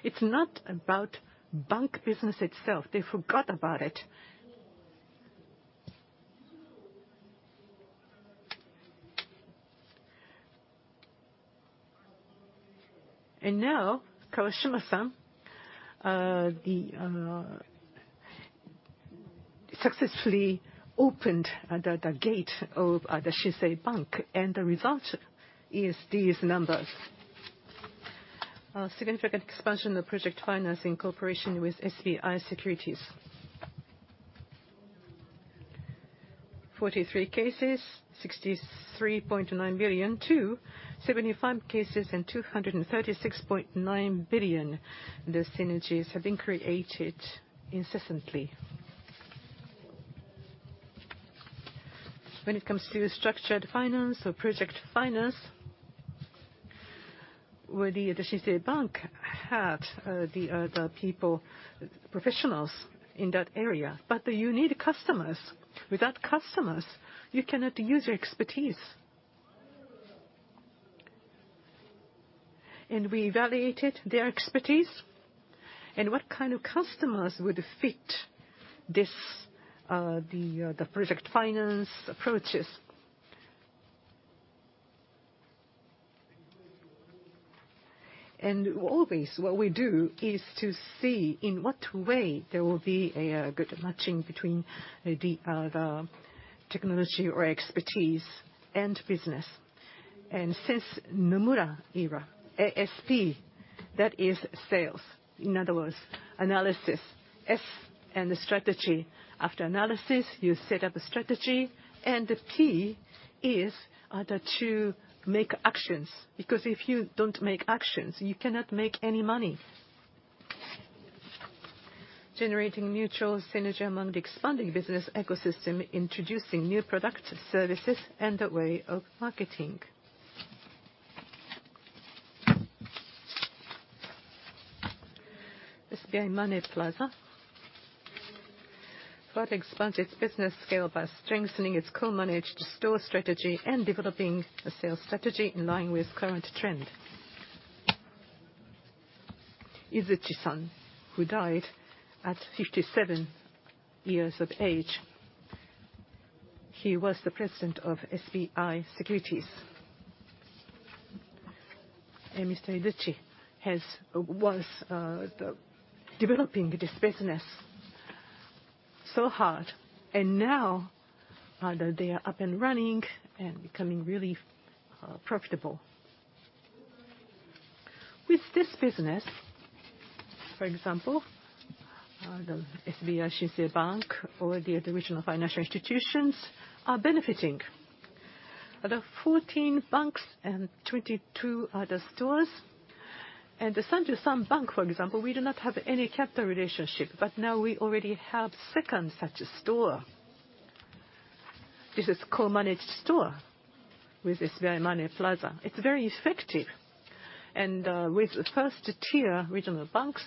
It's not about bank business itself. They forgot about it. And now, Kawashima-san successfully opened the gate of the Shinsei Bank. And the result is these numbers, significant expansion of project finance in cooperation with SBI Securities. 43 cases, 63.9 billion, 275 cases, and 236.9 billion, the synergies have been created incessantly. When it comes to structured finance or project finance, where the Shinsei Bank had the people professionals in that area. But you need customers. Without customers, you cannot use your expertise. We evaluated their expertise and what kind of customers would fit this, the project finance approaches. Always, what we do is to see in what way there will be a good matching between the technology or expertise and business. Since Nomura era, ASP, that is sales. In other words, analysis. S and the strategy. After analysis, you set up a strategy. The P is the to make actions. Because if you don't make actions, you cannot make any money. Generating mutual synergy among the expanding business ecosystem, introducing new products, services, and the way of marketing. SBI Money Plaza. Forward expands its business scale by strengthening its co-managed store strategy and developing a sales strategy in line with current trend. Izuchi-san, who died at 57 years of age, he was the president of SBI Securities. Mr. Izuchi has been developing this business so hard. And now that they are up and running and becoming really profitable. With this business, for example, the SBI Shinsei Bank or the regional financial institutions are benefiting. There are 14 banks and 22 other stores. And the Sanjusan Bank, for example, we do not have any capital relationship. But now we already have second such a store. This is co-managed store with SBI Money Plaza. It's very effective. And with the first-tier regional banks,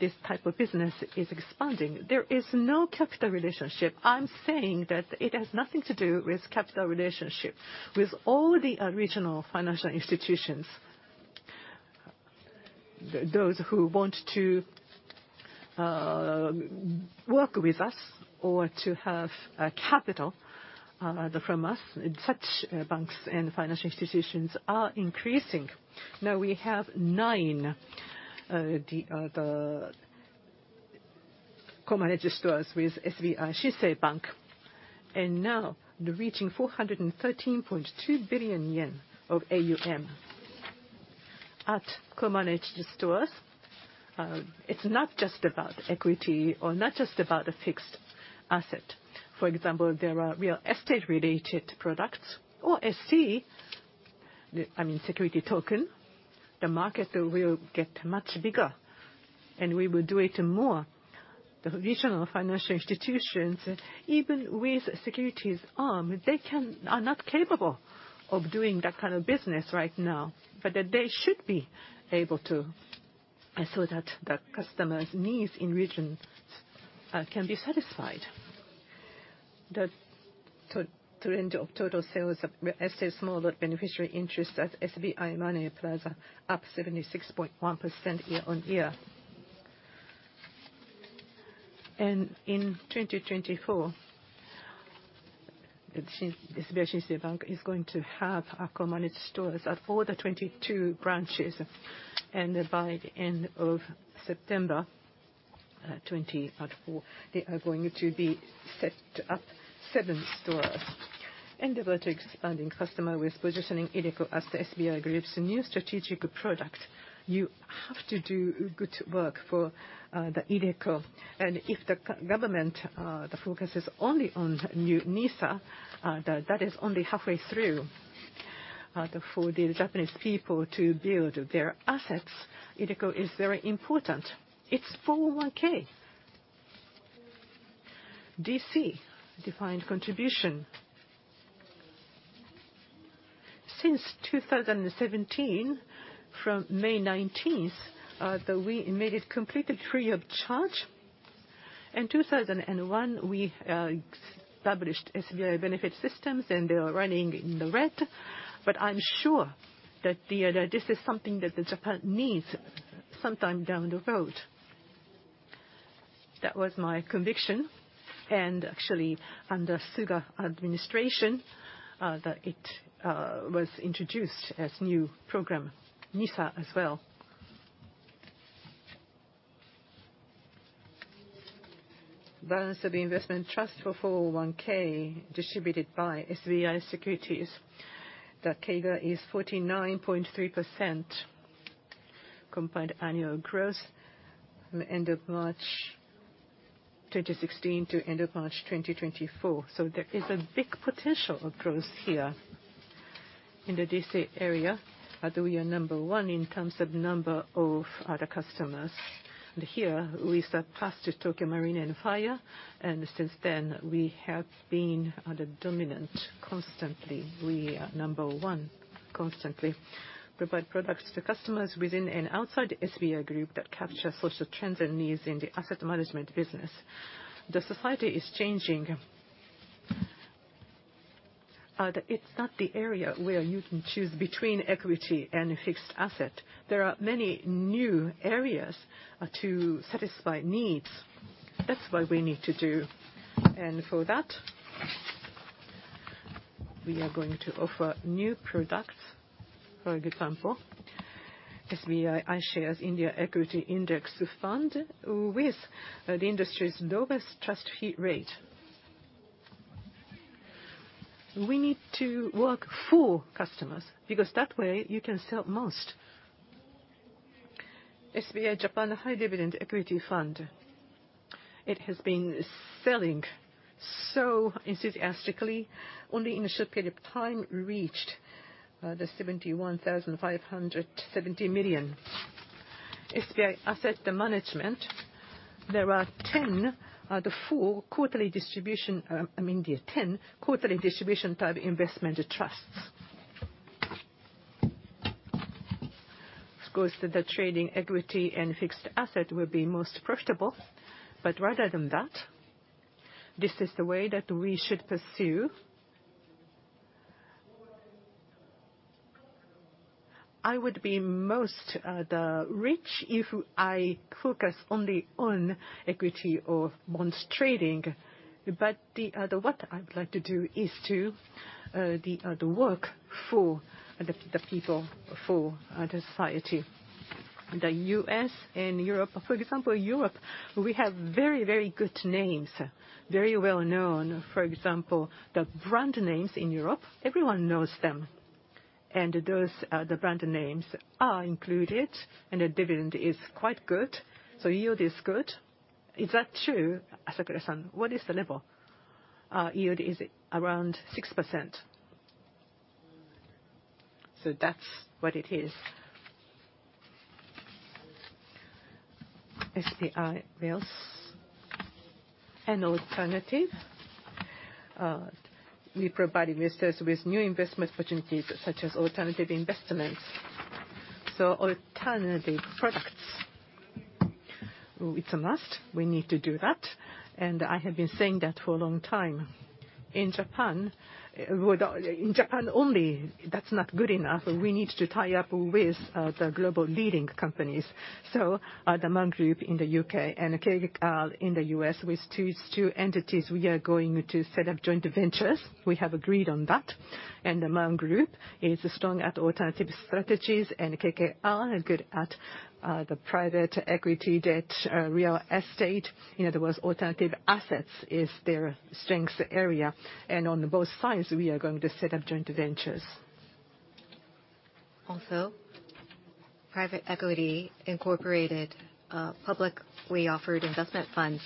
this type of business is expanding. There is no capital relationship. I'm saying that it has nothing to do with capital relationship with all the regional financial institutions. Those who want to work with us or to have capital from us, such banks and financial institutions are increasing. Now we have nine co-managed stores with SBI Shinsei Bank. And now reaching 413.2 billion yen of AUM. At co-managed stores, it's not just about equity or not just about a fixed asset. For example, there are real estate-related products or ST, I mean, security token. The market will get much bigger. We will do it more. The regional financial institutions, even with securities arm, they can are not capable of doing that kind of business right now. But that they should be able to so that the customer's needs in regions can be satisfied. The trend of total sales of real estate small lot beneficiary interest at SBI Money Plaza, up 76.1% year-on-year. In 2024, the SBI Shinsei Bank is going to have co-managed stores at all the 22 branches. By the end of September, 2024, they are going to be set up seven stores. Endeavor to expanding customer with positioning iDeCo as the SBI Group's new strategic product. You have to do good work for the iDeCo. And if the government, the focus is only on new NISA, that, that is only halfway through, for the Japanese people to build their assets, iDeCo is very important. It's 401(k). DC, defined contribution. Since 2017, from May 19th, that we made it completely free of charge. In 2001, we established SBI Benefit Systems. And they are running in the red. But I'm sure that the, that this is something that the Japan needs sometime down the road. That was my conviction. And actually, under Suga administration, that it was introduced as new program, NISA as well. Balance of the investment trust for 401(k) distributed by SBI Securities. The CAGR is 49.3% combined annual growth from end of March 2016 to end of March 2024. So there is a big potential of growth here in the DC area, that we are number one in terms of number of the customers. And here, we surpassed Tokyo Marine and Fire. And since then, we have been the dominant constantly. We number one constantly. Provide products to customers within and outside the SBI Group that capture social trends and needs in the asset management business. The society is changing, that it's not the area where you can choose between equity and fixed income. There are many new areas to satisfy needs. That's why we need to do. And for that, we are going to offer new products. For example, SBI iShares India Equity Index Fund with the industry's lowest trust fee rate. We need to work for customers because that way, you can sell most. SBI Japan High Dividend Equity Fund. It has been selling so enthusiastically. Only in a short period of time, reached the 71,570 million. SBI Asset Management, there are 10, four quarterly distribution I mean, the 10 quarterly distribution type investment trusts. Of course, that the trading equity and fixed asset will be most profitable. But rather than that, this is the way that we should pursue. I would be most the rich if I focus only on equity or bonds trading. But the what I would like to do is to the work for the people for the society. The US and Europe, for example, Europe, we have very, very good names, very well known. For example, the brand names in Europe, everyone knows them. And those the brand names are included. And the dividend is quite good. So yield is good. Is that true, Asakura-san? What is the level? Yield is around 6%. So that's what it is. SBI Wealth and alternative. We provide investors with new investment opportunities such as alternative investments. So alternative products. Oh, it's a must. We need to do that. And I have been saying that for a long time. In Japan, without in Japan only, that's not good enough. We need to tie up with the global leading companies. So, the Man Group in the U.K. and KKR in the U.S. with two, two entities. We are going to set up joint ventures. We have agreed on that. And the Man Group is strong at alternative strategies. And KKR are good at the private equity, debt, real estate. In other words, alternative assets is their strength area. And on both sides, we are going to set up joint ventures. Also, private equity incorporated, publicly offered investment funds.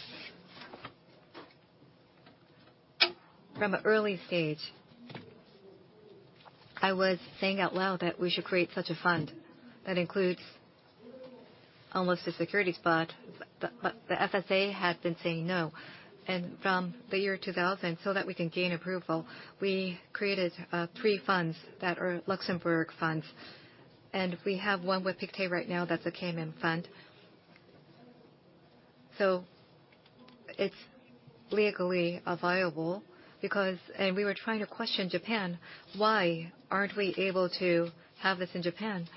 From an early stage, I was saying out loud that we should create such a fund that includes almost a security spot. But, but the FSA had been saying no. From the year 2000, so that we can gain approval, we created three funds that are Luxembourg funds. We have one with Pictet right now that's a Cayman fund. So it's legally viable because and we were trying to question Japan. Why aren't we able to have this in Japan?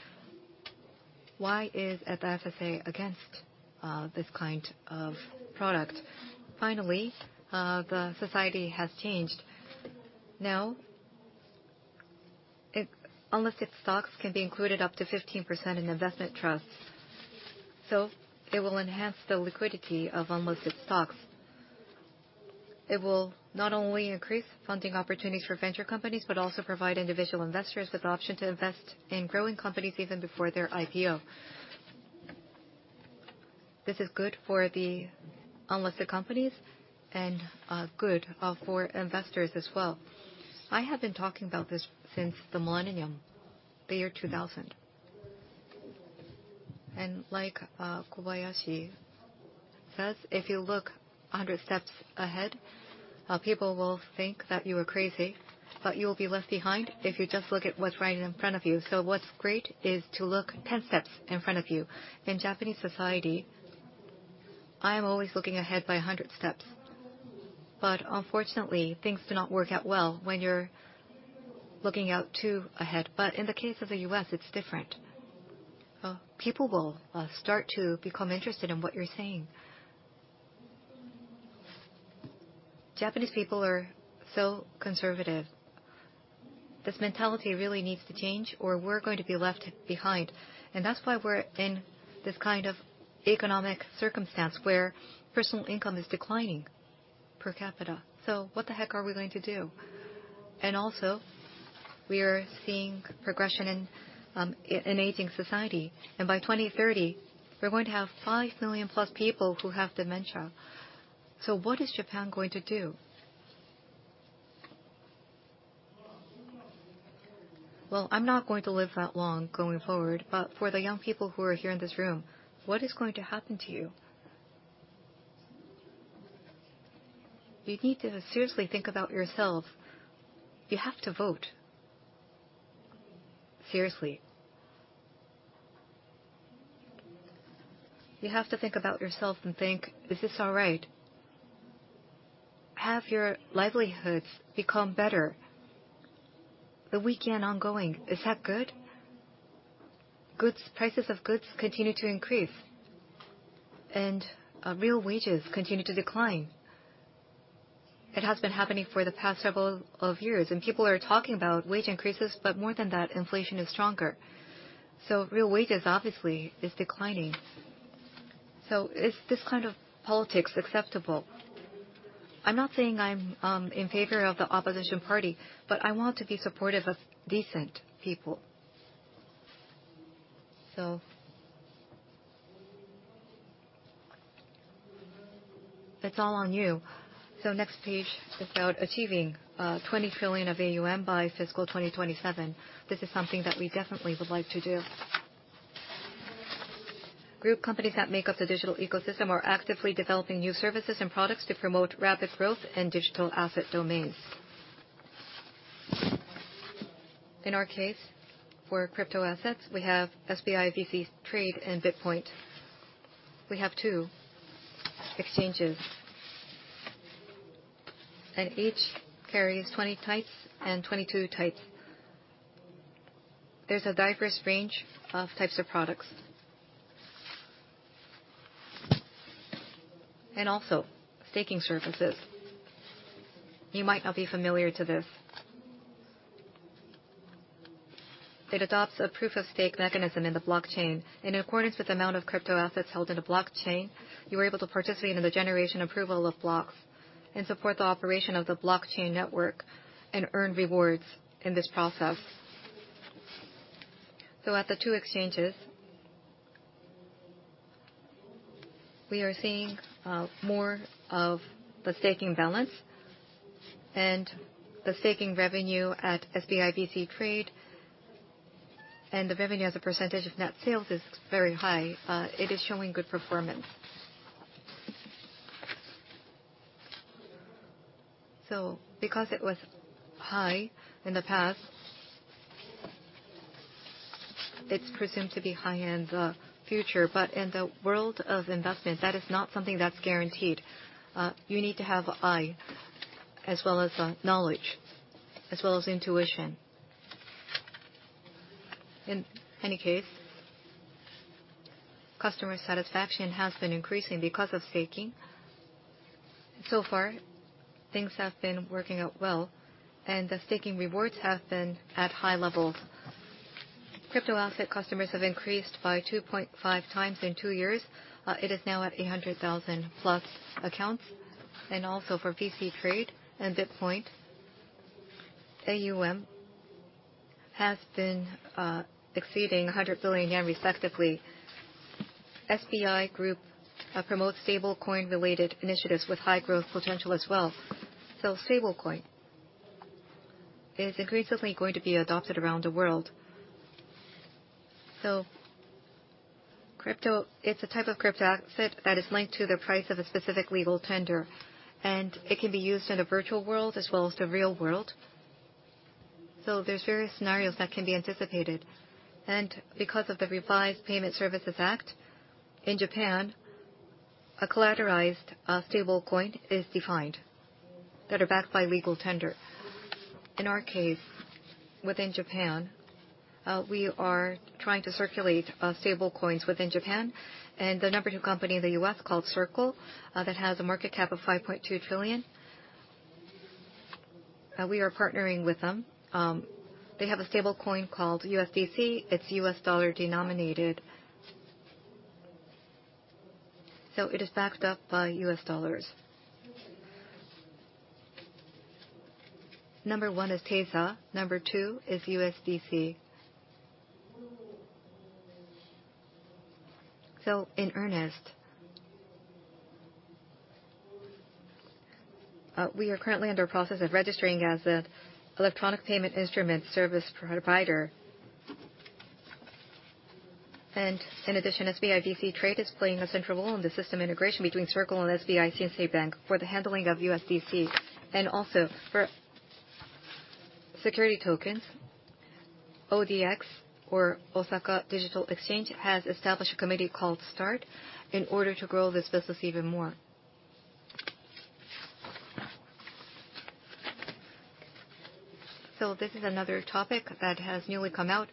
Why is FSA against this kind of product? Finally, the society has changed. Now, unlisted stocks can be included up to 15% in investment trusts. So it will enhance the liquidity of unlisted stocks. It will not only increase funding opportunities for venture companies but also provide individual investors with the option to invest in growing companies even before their IPO. This is good for the unlisted companies and good for investors as well. I have been talking about this since the millennium, the year 2000. Like, Kobayashi says, if you look 100 steps ahead, people will think that you are crazy. But you will be left behind if you just look at what's right in front of you. So what's great is to look 10 steps in front of you. In Japanese society, I am always looking ahead by 100 steps. But unfortunately, things do not work out well when you're looking out too ahead. But in the case of the US, it's different. People will start to become interested in what you're saying. Japanese people are so conservative. This mentality really needs to change. Or we're going to be left behind. And that's why we're in this kind of economic circumstance where personal income is declining per capita. So what the heck are we going to do? Also, we are seeing progression in aging society. By 2030, we're going to have 5 million-plus people who have dementia. So what is Japan going to do? Well, I'm not going to live that long going forward. But for the young people who are here in this room, what is going to happen to you? You need to seriously think about yourself. You have to vote. Seriously. You have to think about yourself and think, "Is this all right?" Have your livelihoods become better the weekend ongoing. Is that good? Goods prices of goods continue to increase. Real wages continue to decline. It has been happening for the past several of years. People are talking about wage increases. But more than that, inflation is stronger. So real wages, obviously, is declining. So is this kind of politics acceptable? I'm not saying I'm in favor of the opposition party. But I want to be supportive of decent people. So it's all on you. So next page is about achieving 20 trillion of AUM by fiscal 2027. This is something that we definitely would like to do. Group companies that make up the digital ecosystem are actively developing new services and products to promote rapid growth in digital asset domains. In our case, for crypto assets, we have SBI VC Trade and BitPoint. We have two exchanges. And each carries 20 types and 22 types. There's a diverse range of types of products. And also, staking services. You might not be familiar to this. It adopts a proof-of-stake mechanism in the blockchain. In accordance with the amount of crypto assets held in a blockchain, you are able to participate in the generation approval of blocks and support the operation of the blockchain network and earn rewards in this process. So at the two exchanges, we are seeing more of the staking balance. And the staking revenue at SBI VC Trade and the revenue as a percentage of net sales is very high. It is showing good performance. So because it was high in the past, it's presumed to be high in the future. But in the world of investment, that is not something that's guaranteed. You need to have an eye as well as knowledge as well as intuition. In any case, customer satisfaction has been increasing because of staking. So far, things have been working out well. And the staking rewards have been at high levels. Crypto asset customers have increased by 2.5x in two years. It is now at 800,000-plus accounts. And also, for VC Trade and BitPoint, AUM has been exceeding 100 billion yen respectively. SBI Group promotes stablecoin-related initiatives with high growth potential as well. So stablecoin is increasingly going to be adopted around the world. So crypto, it's a type of crypto asset that is linked to the price of a specific legal tender. And it can be used in a virtual world as well as the real world. So there's various scenarios that can be anticipated. And because of the Revised Payment Services Act in Japan, a collateralized stablecoin is defined that are backed by legal tender. In our case, within Japan, we are trying to circulate stablecoins within Japan. The number two company in the US called Circle, that has a market cap of 5.2 trillion, we are partnering with them. They have a stablecoin called USDC. It's US dollar denominated. So it is backed up by US dollars. Number 1 is Tether. Number 2 is USDC. So in earnest, we are currently in the process of registering as an electronic payment instrument service provider. And in addition, SBI VC Trade is playing a central role in the system integration between Circle and SBI Shinsei Bank for the handling of USDC. And also, for security tokens, ODX or Osaka Digital Exchange has established a committee called START in order to grow this business even more. So this is another topic that has newly come out.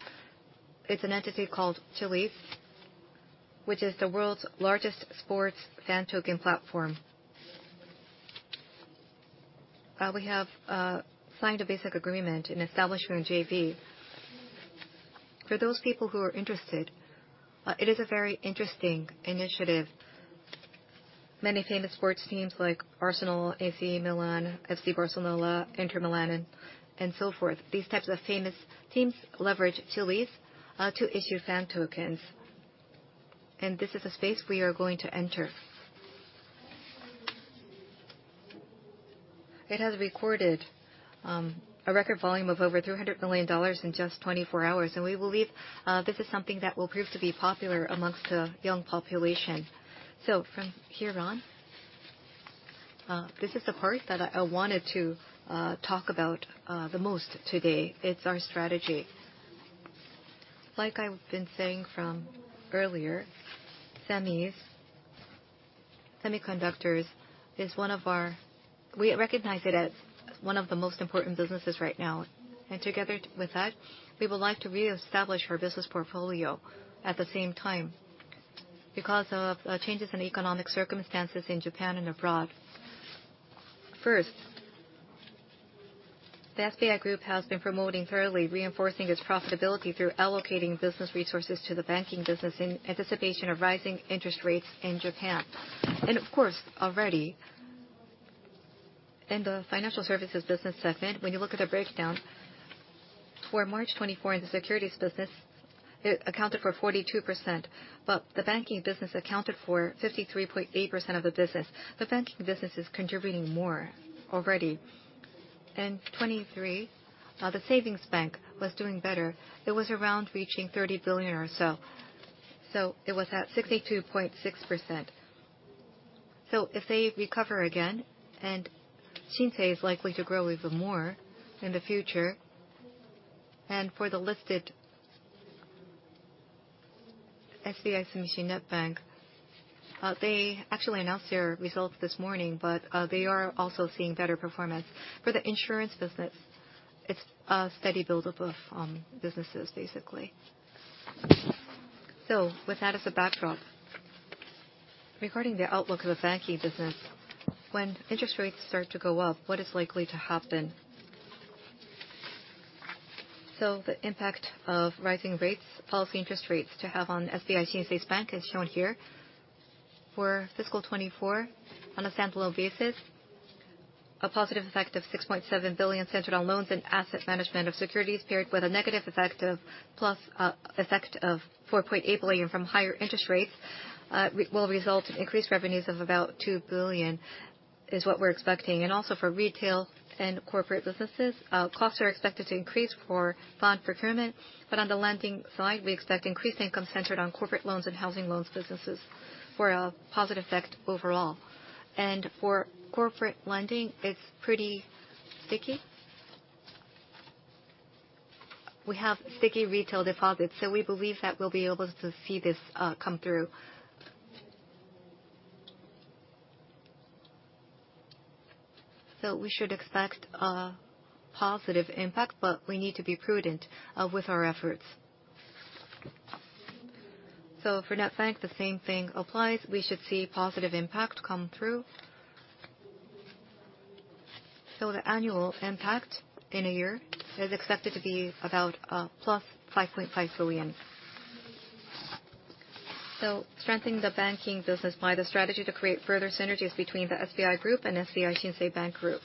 It's an entity called Chiliz, which is the world's largest sports fan token platform. We have signed a basic agreement in establishment JV. For those people who are interested, it is a very interesting initiative. Many famous sports teams like Arsenal, AC Milan, FC Barcelona, Inter Milan, and so forth, these types of famous teams leverage Chiliz, to issue fan tokens. And this is a space we are going to enter. It has recorded, a record volume of over $300 million in just 24 hours. And we believe, this is something that will prove to be popular amongst the young population. So from here on, this is the part that I wanted to talk about, the most today. It's our strategy. Like I've been saying from earlier, semis, semiconductors is one of our we recognize it as one of the most important businesses right now. And together with that, we would like to reestablish our business portfolio at the same time because of, changes in economic circumstances in Japan and abroad. First, the SBI Group has been promoting thoroughly, reinforcing its profitability through allocating business resources to the banking business in anticipation of rising interest rates in Japan. Of course, already in the financial services business segment, when you look at the breakdown, for March 2024 in the securities business, it accounted for 42%. But the banking business accounted for 53.8% of the business. The banking business is contributing more already. In 2023, the savings bank was doing better. It was around reaching 30 billion or so. So it was at 62.6%. So if they recover again and Shinsei is likely to grow even more in the future and for the listed SBI Sumishin Net Bank, they actually announced their results this morning. But, they are also seeing better performance. For the insurance business, it's steady buildup of businesses basically. So with that as a backdrop, regarding the outlook of the banking business, when interest rates start to go up, what is likely to happen? So the impact of rising rates, policy interest rates to have on SBI Shinsei Bank is shown here. For fiscal 2024, on a standalone basis, a positive effect of 6.7 billion centered on loans and asset management of securities. With a negative effect of -4.8 billion from higher interest rates, there will result in increased revenues of about 2 billion is what we're expecting. And also for retail and corporate businesses, costs are expected to increase for bond procurement. But on the lending side, we expect increased income centered on corporate loans and housing loans businesses for a positive effect overall. And for corporate lending, it's pretty sticky. We have sticky retail deposits. So we believe that we'll be able to see this come through. So we should expect positive impact. But we need to be prudent with our efforts. So for Netbank, the same thing applies. We should see positive impact come through. So the annual impact in a year is expected to be about +5.5 billion. So strengthening the banking business by the strategy to create further synergies between the SBI Group and SBI Shinsei Bank Group.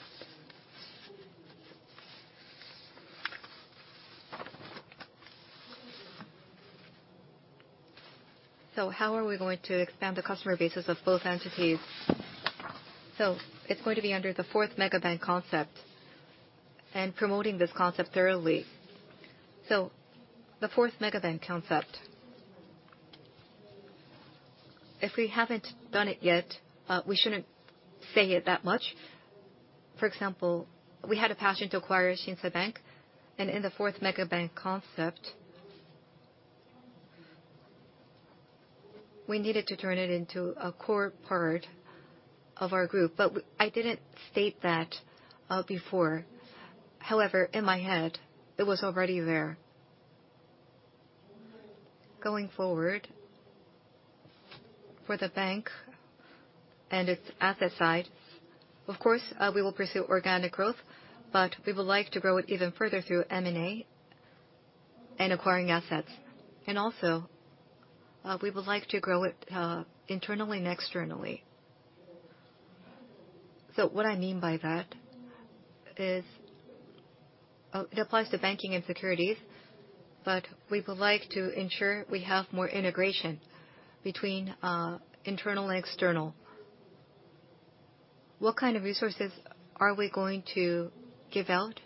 So how are we going to expand the customer base of both entities? So it's going to be under the Fourth Mega-Bank Concept and promoting this concept thoroughly. So the Fourth Mega-Bank Concept, if we haven't done it yet, we shouldn't say it that much. For example, we had a passion to acquire Shinsei Bank. And in the Fourth Mega-Bank Concept, we needed to turn it into a core part of our group. But I didn't state that before. However, in my head, it was already there. Going forward, for the bank and its asset side, of course, we will pursue organic growth. But we would like to grow it even further through M&A and acquiring assets. And also, we would like to grow it, internally and externally. So what I mean by that is, it applies to banking and securities. But we would like to ensure we have more integration between internal and external. What kind of resources are we going to give out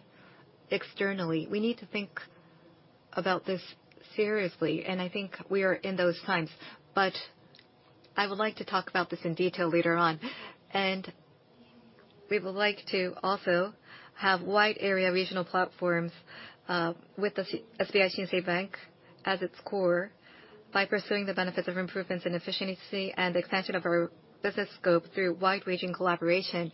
externally? We need to think about this seriously. And I think we are in those times. But I would like to talk about this in detail later on. We would like to also have wide area regional platforms, with the SBI Shinsei Bank as its core by pursuing the benefits of improvements in efficiency and expansion of our business scope through wide-ranging collaboration,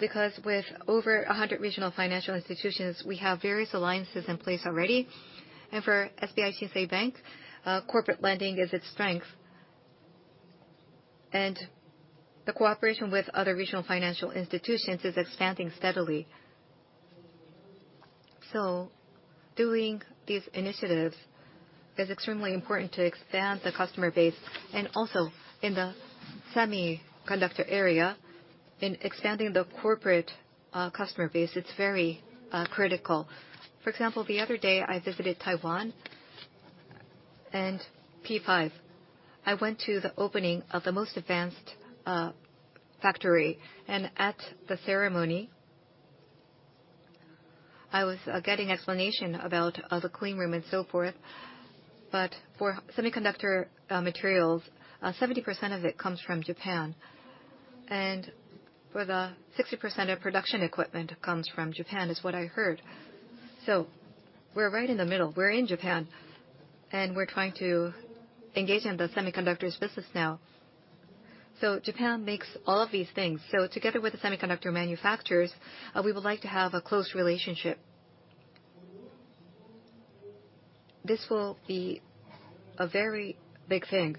because with over 100 regional financial institutions, we have various alliances in place already. For SBI Shinsei Bank, corporate lending is its strength. The cooperation with other regional financial institutions is expanding steadily. Doing these initiatives is extremely important to expand the customer base. Also, in the semiconductor area, in expanding the corporate customer base, it's very critical. For example, the other day, I visited Taiwan and P5. I went to the opening of the most advanced factory. At the ceremony, I was getting explanation about the clean room and so forth. But for semiconductor materials, 70% of it comes from Japan. And for the 60% of production equipment comes from Japan is what I heard. So we're right in the middle. We're in Japan. And we're trying to engage in the semiconductors business now. So Japan makes all of these things. So together with the semiconductor manufacturers, we would like to have a close relationship. This will be a very big thing.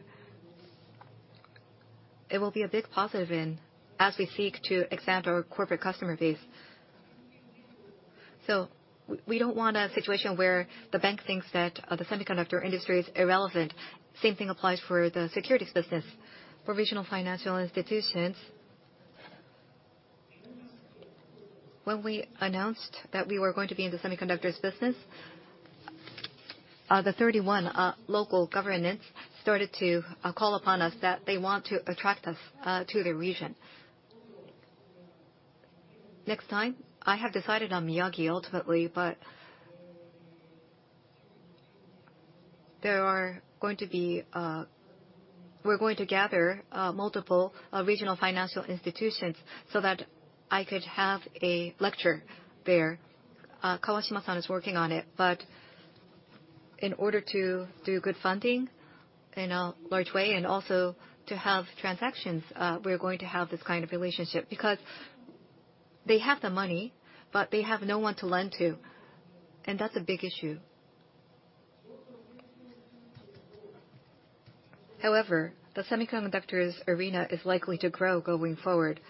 It will be a big positive in as we seek to expand our corporate customer base. So we, we don't want a situation where the bank thinks that, the semiconductor industry is irrelevant. Same thing applies for the securities business. For regional financial institutions, when we announced that we were going to be in the semiconductors business, the 31 local governments started to call upon us that they want to attract us to the region. Next time, I have decided on Miyagi ultimately. But there are going to be, we're going to gather, multiple, regional financial institutions so that I could have a lecture there. Kawashima is working on it. But in order to do good funding in a large way and also to have transactions, we're going to have this kind of relationship because they have the money. But they have no one to lend to. And that's a big issue. However, the semiconductors arena is likely to grow going forward.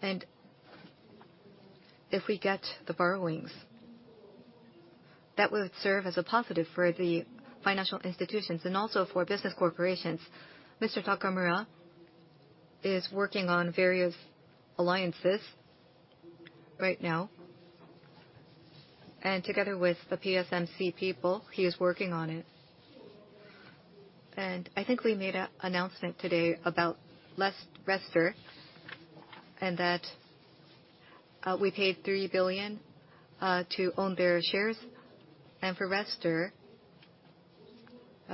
And if we get the borrowings, that would serve as a positive for the financial institutions and also for business corporations. Mr. Takamura is working on various alliances right now. And together with the PSMC people, he is working on it. And I think we made an announcement today about Restar, and that, we paid 3 billion, to own their shares. For Restar,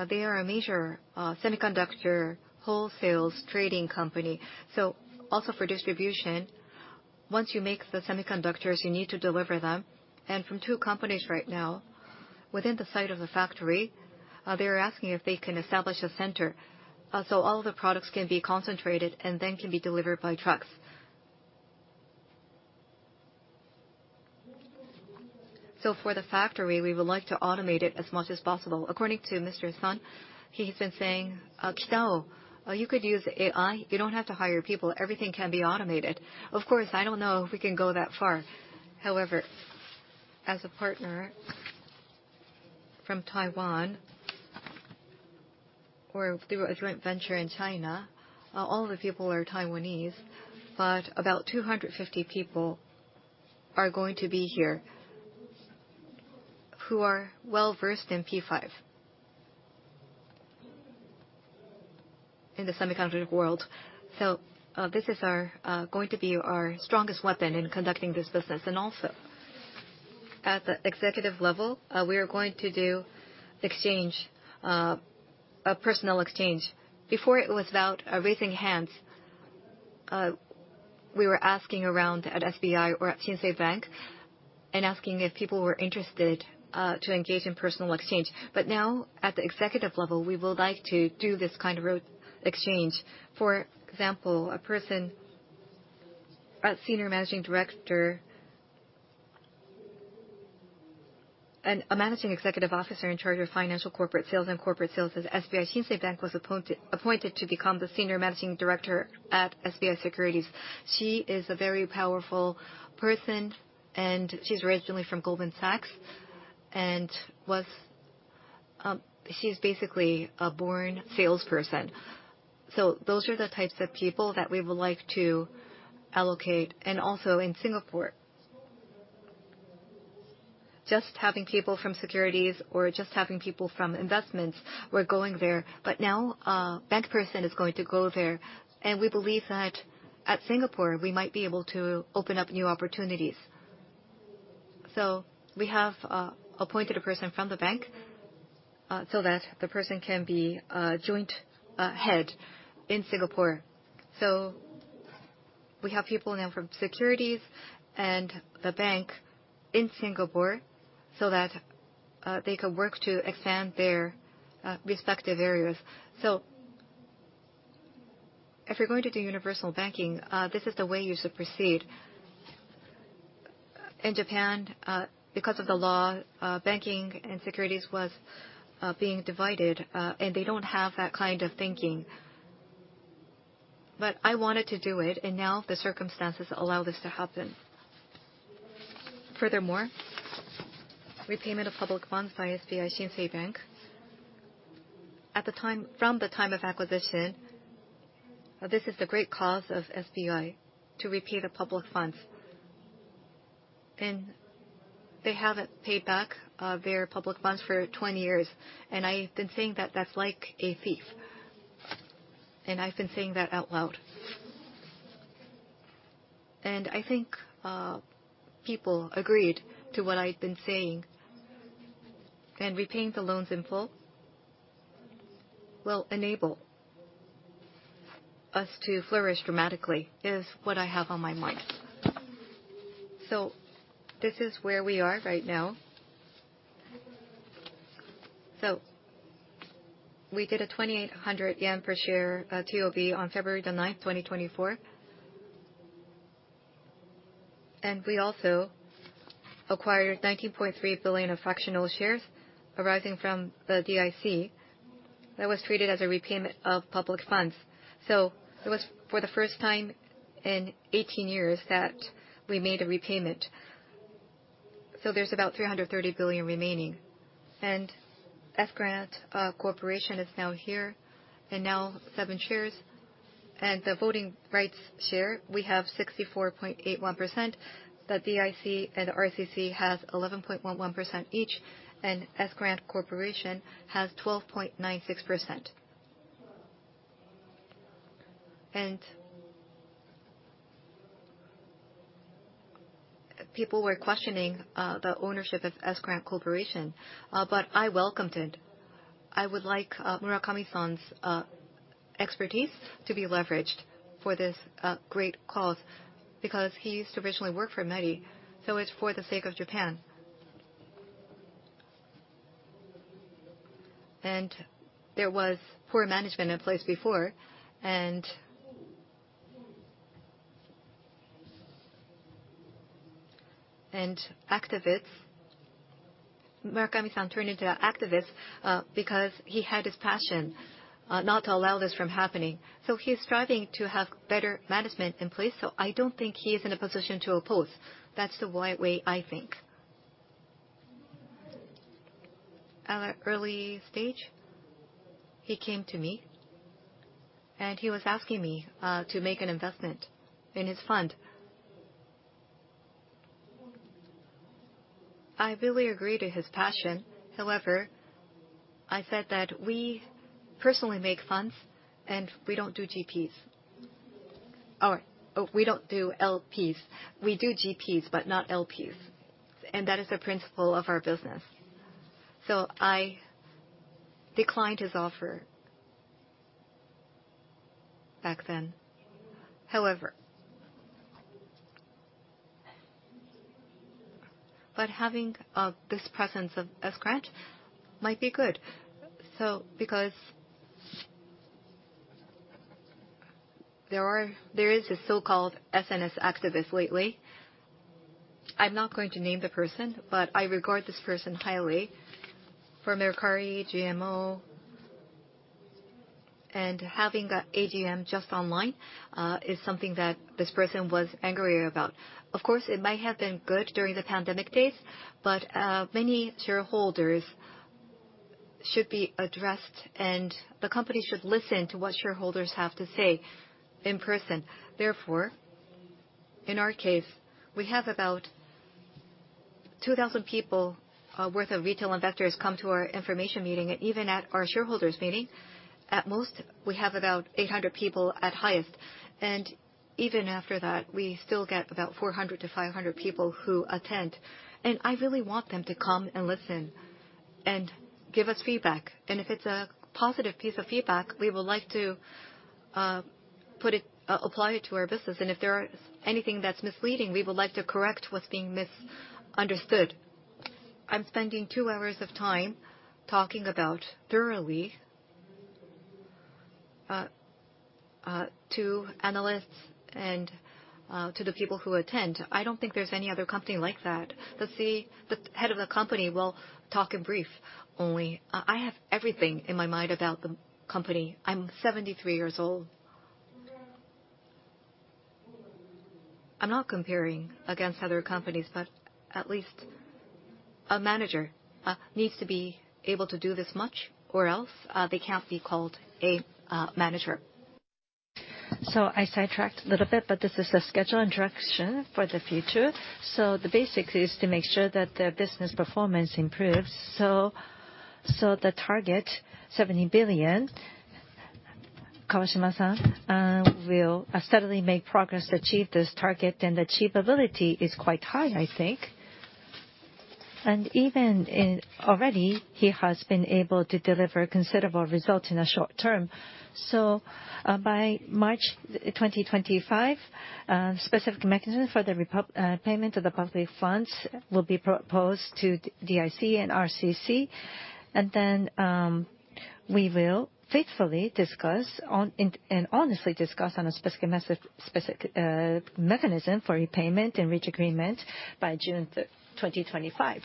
they are a major semiconductor wholesale trading company. So also for distribution, once you make the semiconductors, you need to deliver them. And from two companies right now within the site of the factory, they are asking if they can establish a center, so all of the products can be concentrated and then can be delivered by trucks. So for the factory, we would like to automate it as much as possible. According to Mr. Son, he has been saying, "Kitao, you could use AI. You don't have to hire people. Everything can be automated." Of course, I don't know if we can go that far. However, as a partner from Taiwan or through a joint venture in China, all of the people are Taiwanese. But about 250 people are going to be here who are well-versed in P5 in the semiconductor world. So, this is our going to be our strongest weapon in conducting this business. And also, at the executive level, we are going to do exchange, personnel exchange. Before it was about raising hands, we were asking around at SBI or at SBI Shinsei Bank and asking if people were interested to engage in personnel exchange. But now, at the executive level, we would like to do this kind of role exchange. For example, a person, a senior managing director and a managing executive officer in charge of financial corporate sales and corporate sales at SBI Shinsei Bank was appointed to become the senior managing director at SBI Securities. She is a very powerful person. And she's originally from Goldman Sachs. And was, she's basically born salesperson. So those are the types of people that we would like to allocate. And also in Singapore, just having people from securities or just having people from investments, we're going there. But now, bank person is going to go there. And we believe that at Singapore, we might be able to open up new opportunities. So we have appointed a person from the bank, so that the person can be joint head in Singapore. So we have people now from securities and the bank in Singapore so that they could work to expand their respective areas. So if you're going to do universal banking, this is the way you should proceed. In Japan, because of the law, banking and securities was being divided, and they don't have that kind of thinking. But I wanted to do it. And now, the circumstances allow this to happen. Furthermore, repayment of public funds by SBI Shinsei Bank at the time from the time of acquisition, this is the great cause of SBI to repay the public funds. And they haven't paid back their public funds for 20 years. And I've been saying that that's like a thief. And I've been saying that out loud. And I think people agreed to what I'd been saying. And repaying the loans in full will enable us to flourish dramatically is what I have on my mind. So this is where we are right now. So we did a 2,800 yen per share TOB on February 9, 2024. And we also acquired 19.3 billion of fractional shares arising from the DIC that was treated as a repayment of public funds. So it was for the first time in 18 years that we made a repayment. So there's about 330 billion remaining. S-Grant Corporation is now here. Now, seven shares. The voting rights share, we have 64.81%. The DIC and the RCC has 11.11% each. S-Grant Corporation has 12.96%. People were questioning the ownership of S-Grant Corporation. But I welcomed it. I would like Murakami-san's expertise to be leveraged for this great cause because he used to originally work for METI. So it's for the sake of Japan. There was poor management in place before. Activists, Murakami-san turned into an activist, because he had his passion, not to allow this from happening. So he's striving to have better management in place. So I don't think he is in a position to oppose. That's the way I think. At an early stage, he came to me. He was asking me to make an investment in his fund. I really agree to his passion. However, I said that we personally make funds. And we don't do GPs. All right. Oh, we don't do LPs. We do GPs but not LPs. And that is a principle of our business. So I declined his offer back then. However, but having this presence of S-Grant might be good. So because there is a so-called SNS activist lately. I'm not going to name the person. But I regard this person highly. For Mercari, GMO, and having the AGM just online, is something that this person was angrier about. Of course, it might have been good during the pandemic days. But many shareholders should be addressed. And the company should listen to what shareholders have to say in person. Therefore, in our case, we have about 2,000 people worth of retail investors come to our information meeting. Even at our shareholders' meeting, at most, we have about 800 people at highest. Even after that, we still get about 400-500 people who attend. I really want them to come and listen and give us feedback. If it's a positive piece of feedback, we would like to, put it, apply it to our business. If there is anything that's misleading, we would like to correct what's being misunderstood. I'm spending two hours of time talking about thoroughly, to analysts and, to the people who attend. I don't think there's any other company like that that see the head of the company will talk in brief only. I have everything in my mind about the company. I'm 73 years old. I'm not comparing against other companies. But at least a manager needs to be able to do this much or else they can't be called a manager. So I sidetracked a little bit. But this is a schedule and direction for the future. So the basics is to make sure that the business performance improves. So the target, 70 billion, Kawashima-san, will steadily make progress to achieve this target. And the achievability is quite high, I think. And even already, he has been able to deliver considerable results in the short term. So by March 2025, specific mechanism for the repayment of the public funds will be proposed to DIC and RCC. And then, we will faithfully discuss it and honestly discuss a specific mechanism for repayment and reach agreement by June 2025.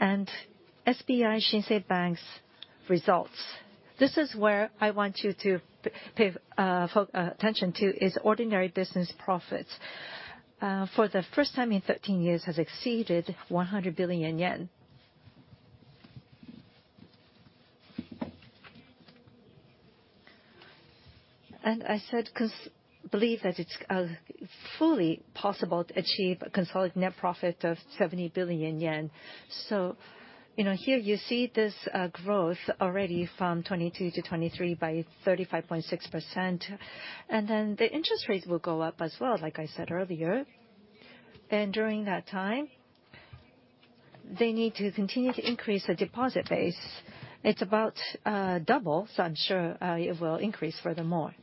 SBI Shinsei Bank's results, this is where I want you to pay close attention to, is ordinary business profits, for the first time in 13 years has exceeded 100 billion yen. I sincerely believe that it's fully possible to achieve a consolidated net profit of 70 billion yen. So, you know, here you see this growth already from 2022 to 2023 by 35.6%. Then the interest rates will go up as well, like I said earlier. During that time, they need to continue to increase the deposit base. It's about double. So I'm sure it will increase furthermore.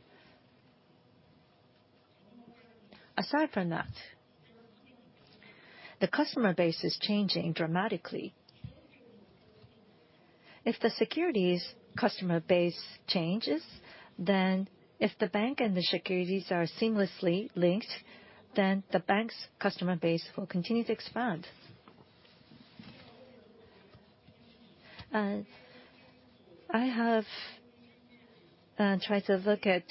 Aside from that, the customer base is changing dramatically. If the securities customer base changes, then if the bank and the securities are seamlessly linked, then the bank's customer base will continue to expand. And I have tried to look at,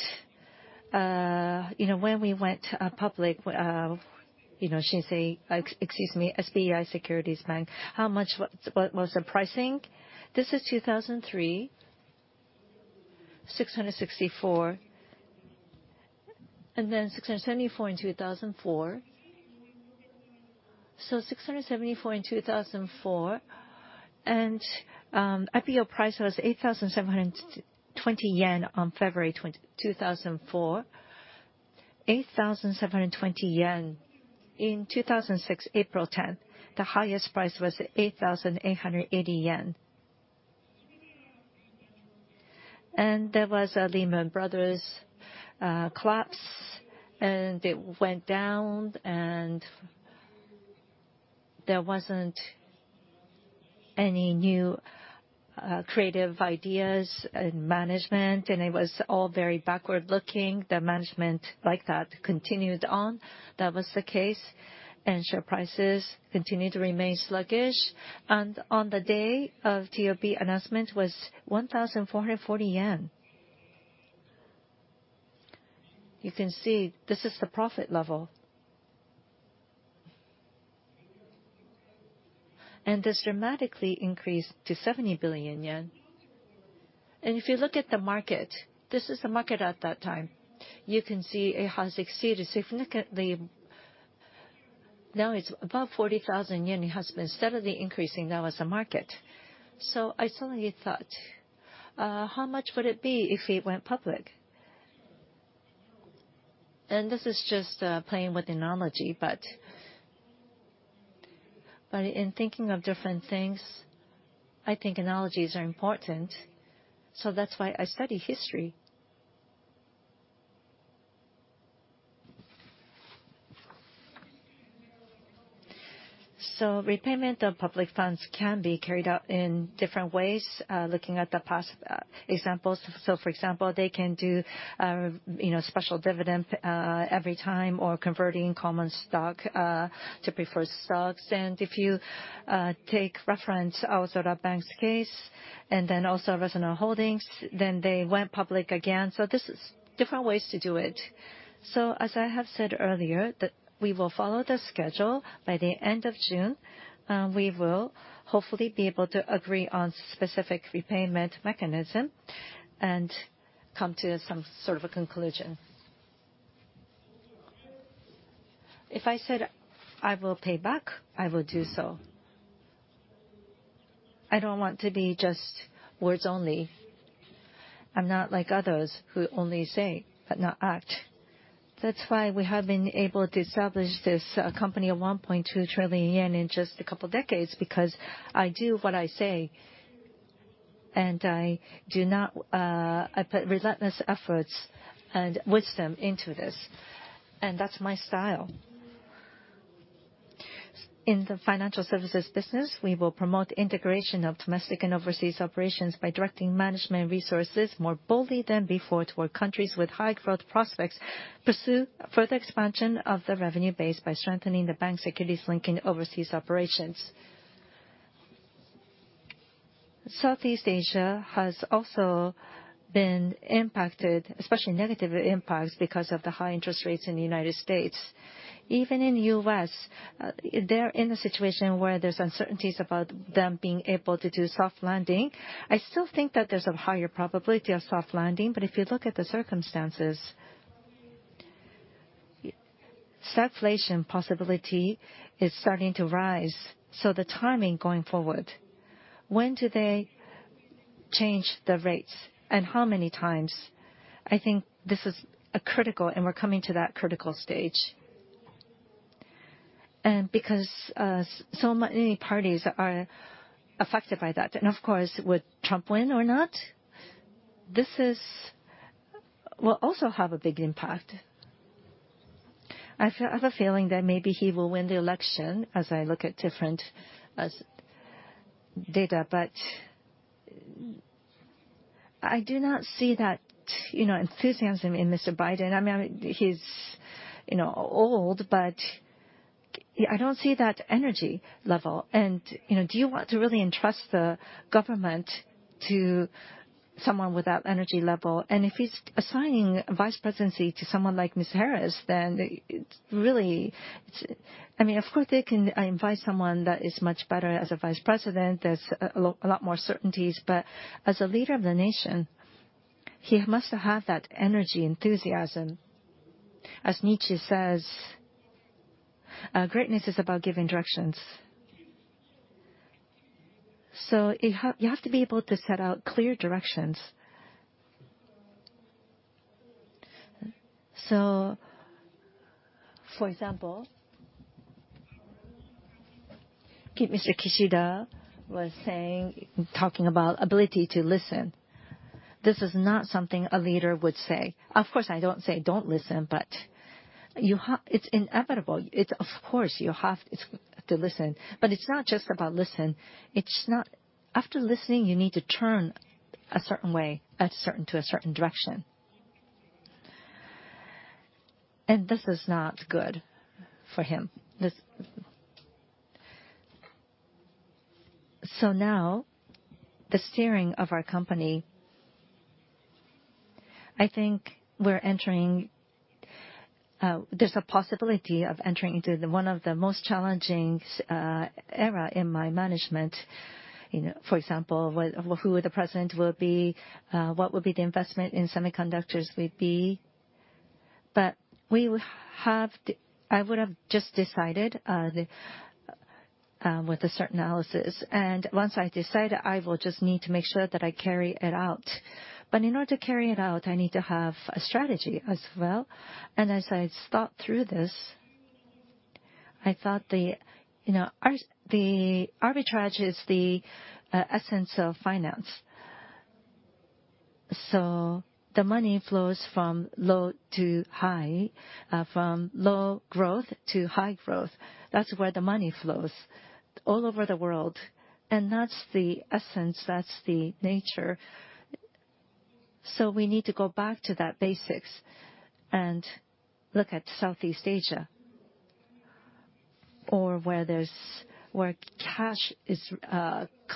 you know, when we went public, you know, Shinsei, excuse me, SBI Shinsei Bank, how much was, what was the pricing? This is 2003, 664, and then 674 in 2004. So 674 in 2004. And the IPO price was 8,720 yen on February 2004, 8,720 yen in 2006, April 10th. The highest price was 8,880 yen. And there was a Lehman Brothers collapse. And it went down. And there wasn't any new creative ideas in management. And it was all very backward-looking. The management like that continued on. That was the case. And share prices continued to remain sluggish. And on the day of TOB announcement was 1,440 yen. You can see this is the profit level. And this dramatically increased to 70 billion yen. And if you look at the market, this is the market at that time. You can see it has exceeded significantly. Now it's above 40,000 yen. It has been steadily increasing. That was the market. So I suddenly thought, how much would it be if it went public? And this is just, playing with analogy. But, but in thinking of different things, I think analogies are important. So that's why I study history. So repayment of public funds can be carried out in different ways, looking at the possible, examples. So, for example, they can do, you know, special dividend, every time or converting common stock, to preferred stocks. And if you, take reference also to the bank's case and then also Ripplewood Holdings, then they went public again. So this is different ways to do it. So as I have said earlier, that we will follow the schedule. By the end of June, we will hopefully be able to agree on specific repayment mechanism and come to some sort of a conclusion. If I said I will pay back, I will do so. I don't want to be just words only. I'm not like others who only say but not act. That's why we have been able to establish this company of 1.2 trillion yen in just a couple of decades because I do what I say. And I do not, I put relentless efforts and wisdom into this. And that's my style. In the financial services business, we will promote integration of domestic and overseas operations by directing management resources more boldly than before toward countries with high growth prospects, pursue further expansion of the revenue base by strengthening the bank-securities linking overseas operations. Southeast Asia has also been impacted, especially negative impacts because of the high interest rates in the United States. Even in the U.S., they're in a situation where there's uncertainties about them being able to do soft landing. I still think that there's a higher probability of soft landing. But if you look at the circumstances, stagflation possibility is starting to rise. So the timing going forward, when do they change the rates and how many times? I think this is critical. And we're coming to that critical stage. And because so many parties are affected by that, and of course, would Trump win or not? This is will also have a big impact. I feel I have a feeling that maybe he will win the election as I look at different data. But I do not see that, you know, enthusiasm in Mr. Biden. I mean, he's, you know, old. But I don't see that energy level. And, you know, do you want to really entrust the government to someone with that energy level? And if he's assigning vice presidency to someone like Ms. Harris, then it's really I mean, of course, they can invite someone that is much better as a vice president. There's a lot more certainties. But as a leader of the nation, he must have that energy enthusiasm. As Nietzsche says, greatness is about giving directions. So you have to be able to set out clear directions. So, for example, Kishida was saying, talking about ability to listen. This is not something a leader would say. Of course, I don't say don't listen. But it's inevitable. It's, of course, you have to listen. But it's not just about listen. It's not after listening. You need to turn a certain way at a certain to a certain direction. And this is not good for him. This, so now the steering of our company, I think we're entering. There's a possibility of entering into the one of the most challenging era in my management, you know, for example, what who the president will be, what would be the investment in semiconductors would be. But we would have. I would have just decided the with a certain analysis. And once I decide, I will just need to make sure that I carry it out. But in order to carry it out, I need to have a strategy as well. And as I thought through this, I thought the, you know, our the arbitrage is the essence of finance. So the money flows from low to high, from low growth to high growth. That's where the money flows all over the world. And that's the essence. That's the nature. So we need to go back to that basics and look at Southeast Asia or where there's cash is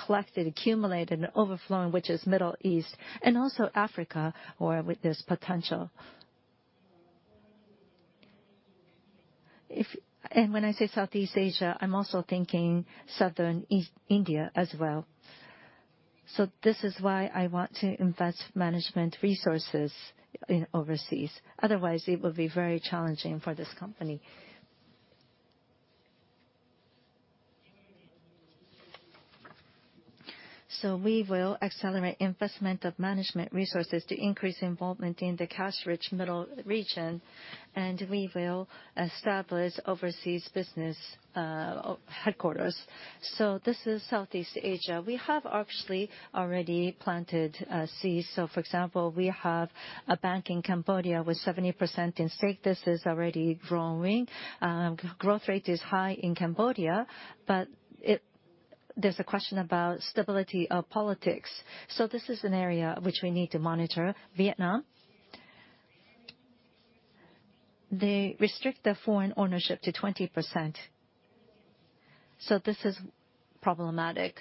collected, accumulated, and overflowing, which is Middle East and also Africa where there's potential. If and when I say Southeast Asia, I'm also thinking Southern East India as well. So this is why I want to invest management resources in overseas. Otherwise, it will be very challenging for this company. So we will accelerate investment of management resources to increase involvement in the cash-rich Middle region. And we will establish overseas business headquarters. So this is Southeast Asia. We have actually already planted seeds. So, for example, we have a bank in Cambodia with 70% stake. This is already growing. Growth rate is high in Cambodia. But there's a question about stability of politics. So this is an area which we need to monitor. Vietnam, they restrict the foreign ownership to 20%. So this is problematic.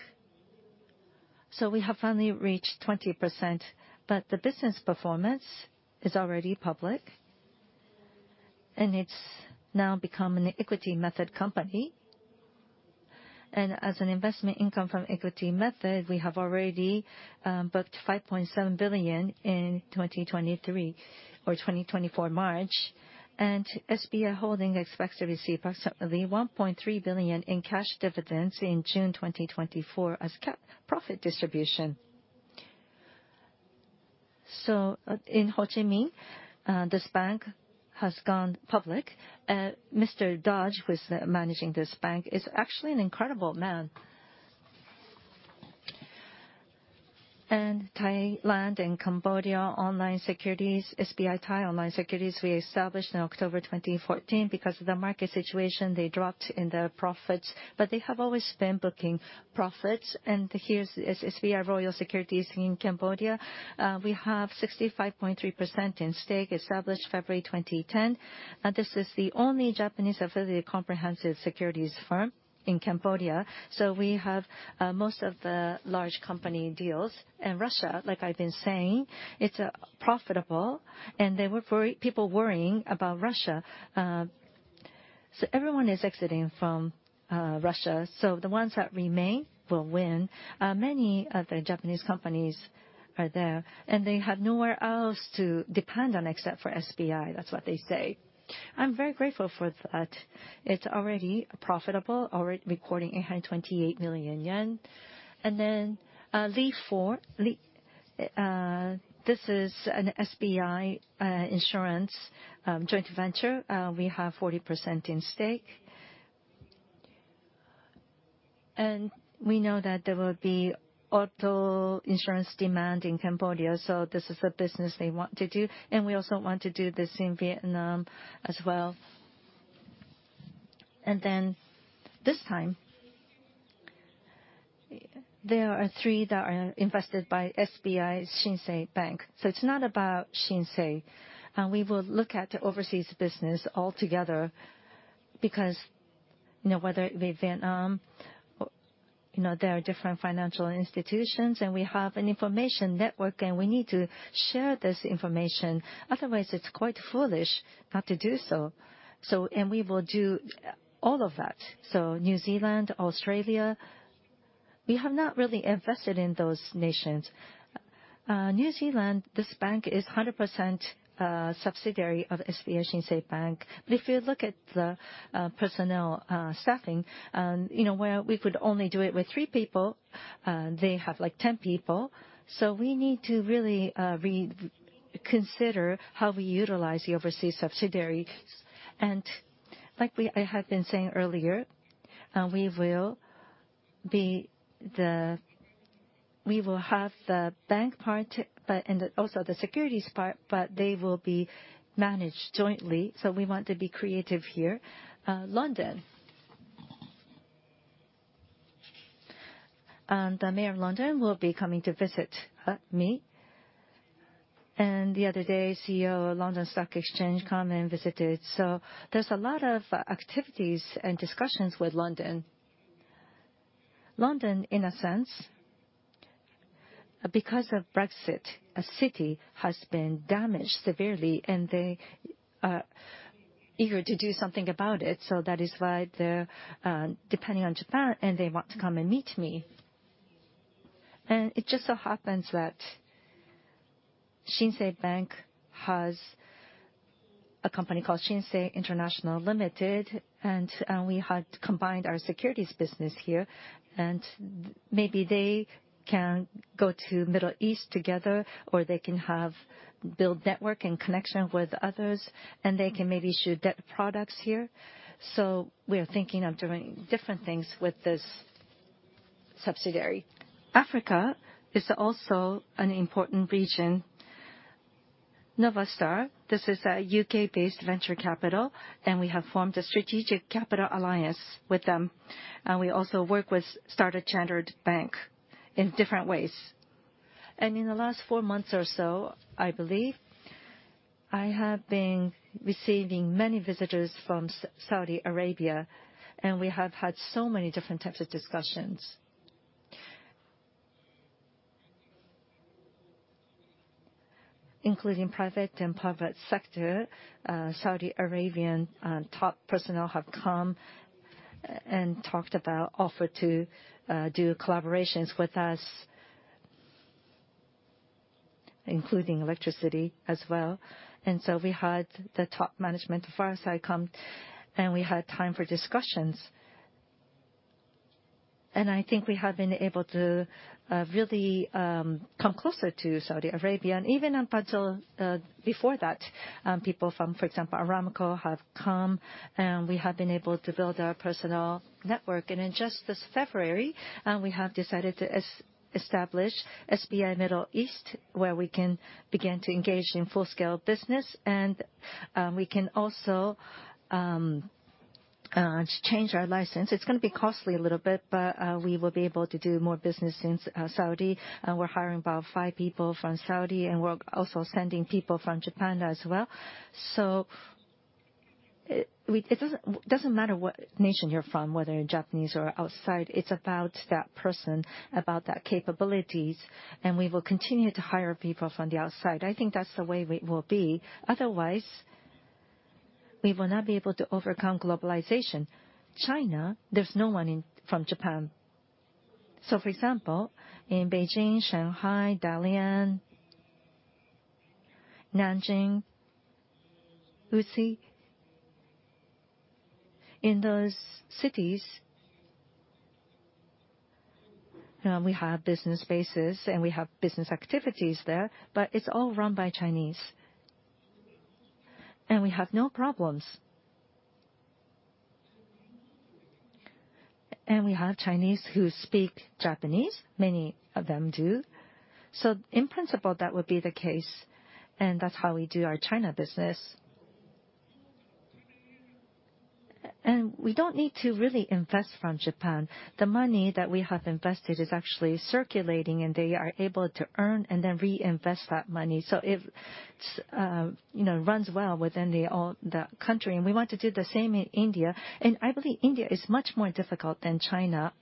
So we have finally reached 20%. But the business performance is already public. And it's now become an equity method company. And as an investment income from equity method, we have already booked 5.7 billion in 2023 or 2024 March. And SBI Holdings expects to receive approximately 1.3 billion in cash dividends in June 2024 as cap profit distribution. So in Ho Chi Minh, this bank has gone public. Mr. Dodge, who is managing this bank, is actually an incredible man. And Thailand and Cambodia online securities, SBI Thai Online Securities, we established in October 2014. Because of the market situation, they dropped in their profits. But they have always been booking profits. And here's SBI Royal Securities in Cambodia. We have 65.3% in stake established February 2010. This is the only Japanese affiliated comprehensive securities firm in Cambodia. So we have most of the large company deals. And Russia, like I've been saying, it's profitable. And there were worry people worrying about Russia. So everyone is exiting from Russia. So the ones that remain will win. Many of the Japanese companies are there. And they have nowhere else to depend on except for SBI. That's what they say. I'm very grateful for that. It's already profitable, already recording 828 million yen. And then Ly Hour Insurance, this is an SBI insurance joint venture. We have 40% in stake. And we know that there will be auto insurance demand in Cambodia. So this is a business they want to do. And we also want to do this in Vietnam as well. And then this time, there are three that are invested by SBI Shinsei Bank. So it's not about Shinsei. We will look at the overseas business altogether because, you know, whether it be Vietnam or, you know, there are different financial institutions. And we have an information network. And we need to share this information. Otherwise, it's quite foolish not to do so. So we will do all of that. So New Zealand, Australia, we have not really invested in those nations. New Zealand, this bank is 100% subsidiary of SBI Shinsei Bank. But if you look at the personnel, staffing, you know, where we could only do it with three people, they have like 10 people. So we need to really reconsider how we utilize the overseas subsidiaries. And like I have been saying earlier, we will have the bank part but and also the securities part. But they will be managed jointly. So we want to be creative here. London, the mayor of London will be coming to visit me. And the other day, CEO of London Stock Exchange come and visited. So there's a lot of activities and discussions with London. London, in a sense, because of Brexit, a city has been damaged severely. And they are eager to do something about it. So that is why they're depending on Japan. And they want to come and meet me. And it just so happens that SBI Shinsei Bank has a company called SBI International Limited. And we had combined our securities business here. And maybe they can go to Middle East together. Or they can build network and connection with others. They can maybe shoot debt products here. So we are thinking of doing different things with this subsidiary. Africa is also an important region. Novastar, this is a U.K.-based venture capital. And we have formed a strategic capital alliance with them. And we also work with Standard Bank in different ways. And in the last four months or so, I believe, I have been receiving many visitors from Saudi Arabia. And we have had so many different types of discussions, including public and private sector. Saudi Arabian top personnel have come and talked about offers to do collaborations with us, including electricity as well. And so we had the top management of Fireside come. And we had time for discussions. And I think we have been able to really come closer to Saudi Arabia. And even until before that, people from, for example, Aramco have come. We have been able to build our personal network. In just this February, we have decided to establish SBI Middle East where we can begin to engage in full-scale business. We can also change our license. It's going to be costly a little bit. But we will be able to do more business in Saudi. We're hiring about five people from Saudi. We're also sending people from Japan as well. So it doesn't matter what nation you're from, whether Japanese or outside. It's about that person, about that capabilities. We will continue to hire people from the outside. I think that's the way we will be. Otherwise, we will not be able to overcome globalization. China, there's no one in from Japan. So, for example, in Beijing, Shanghai, Dalian, Nanjing, Wuxi, in those cities, you know, we have business bases. We have business activities there. But it's all run by Chinese. And we have no problems. And we have Chinese who speak Japanese. Many of them do. So, in principle, that would be the case. And that's how we do our China business. And we don't need to really invest from Japan. The money that we have invested is actually circulating. And they are able to earn and then reinvest that money. So it's, you know, runs well within the all the country. And we want to do the same in India. And I believe India is much more difficult than China.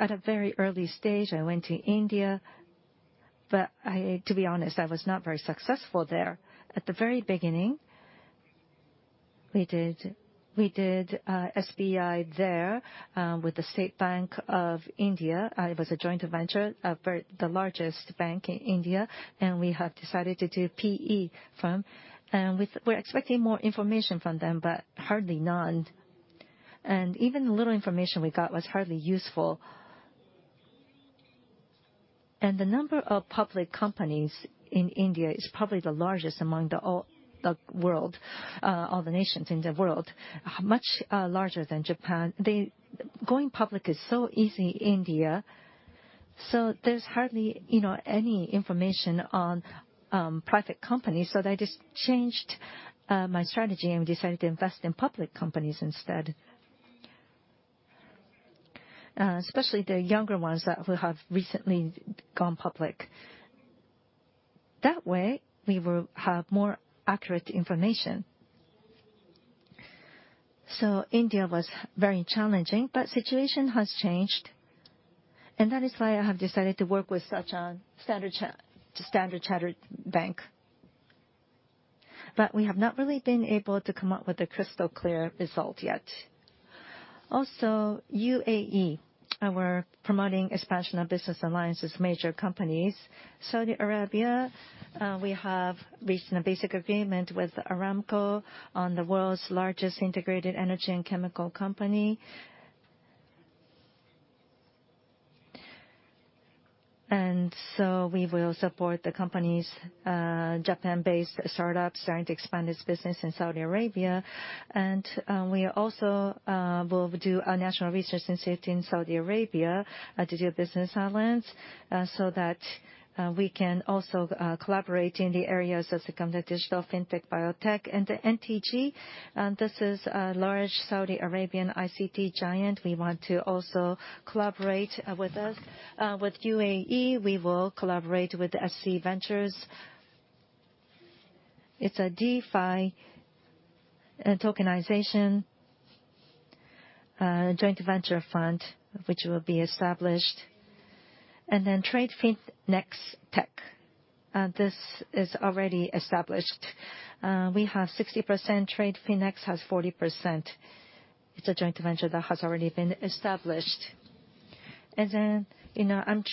At a very early stage, I went to India. But I, to be honest, I was not very successful there. At the very beginning, we did we did, SBI there, with the State Bank of India. It was a joint venture with the largest bank in India. And we have decided to do PE from. And with, we're expecting more information from them. But hardly none. And even little information we got was hardly useful. And the number of public companies in India is probably the largest among all the world, all the nations in the world, much larger than Japan. They going public is so easy in India. So there's hardly, you know, any information on private companies. So I just changed my strategy. And we decided to invest in public companies instead, especially the younger ones that who have recently gone public. That way, we will have more accurate information. So India was very challenging. But situation has changed. And that is why I have decided to work with such a Standard Chartered Bank. But we have not really been able to come up with a crystal-clear result yet. Also, UAE, our promoting expansion of business alliances, major companies. Saudi Arabia, we have reached a basic agreement with Aramco on the world's largest integrated energy and chemical company. And so we will support the companies, Japan-based startups starting to expand its business in Saudi Arabia. And, we also, will do a national research initiative in Saudi Arabia, to do business alliance, so that, we can also, collaborate in the areas of secondary digital fintech, biotech, and the NTG. This is a large Saudi Arabian ICT giant. We want to also collaborate with us. With UAE, we will collaborate with SC Ventures. It's a DeFi and tokenization, joint venture fund which will be established. And then TradeFinnex. This is already established. We have 60%. TradeFinex has 40%. It's a joint venture that has already been established. And then, you know, I'm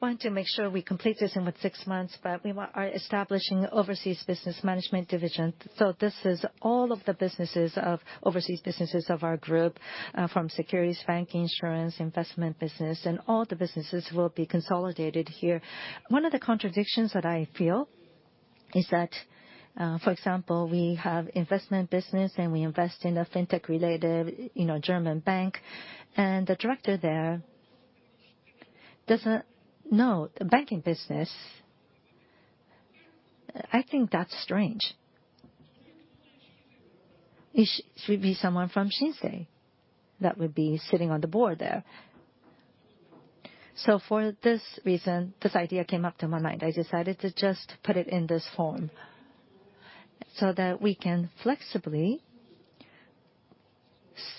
wanting to make sure we complete this within 6 months. But we are establishing overseas business management division. So this is all of the businesses of overseas businesses of our group, from securities, banking, insurance, investment business. And all the businesses will be consolidated here. One of the contradictions that I feel is that, for example, we have investment business. And we invest in a fintech-related, you know, German bank. And the director there doesn't know the banking business. I think that's strange. It should be someone from Shinsei that would be sitting on the board there. So for this reason, this idea came up to my mind. I decided to just put it in this form so that we can flexibly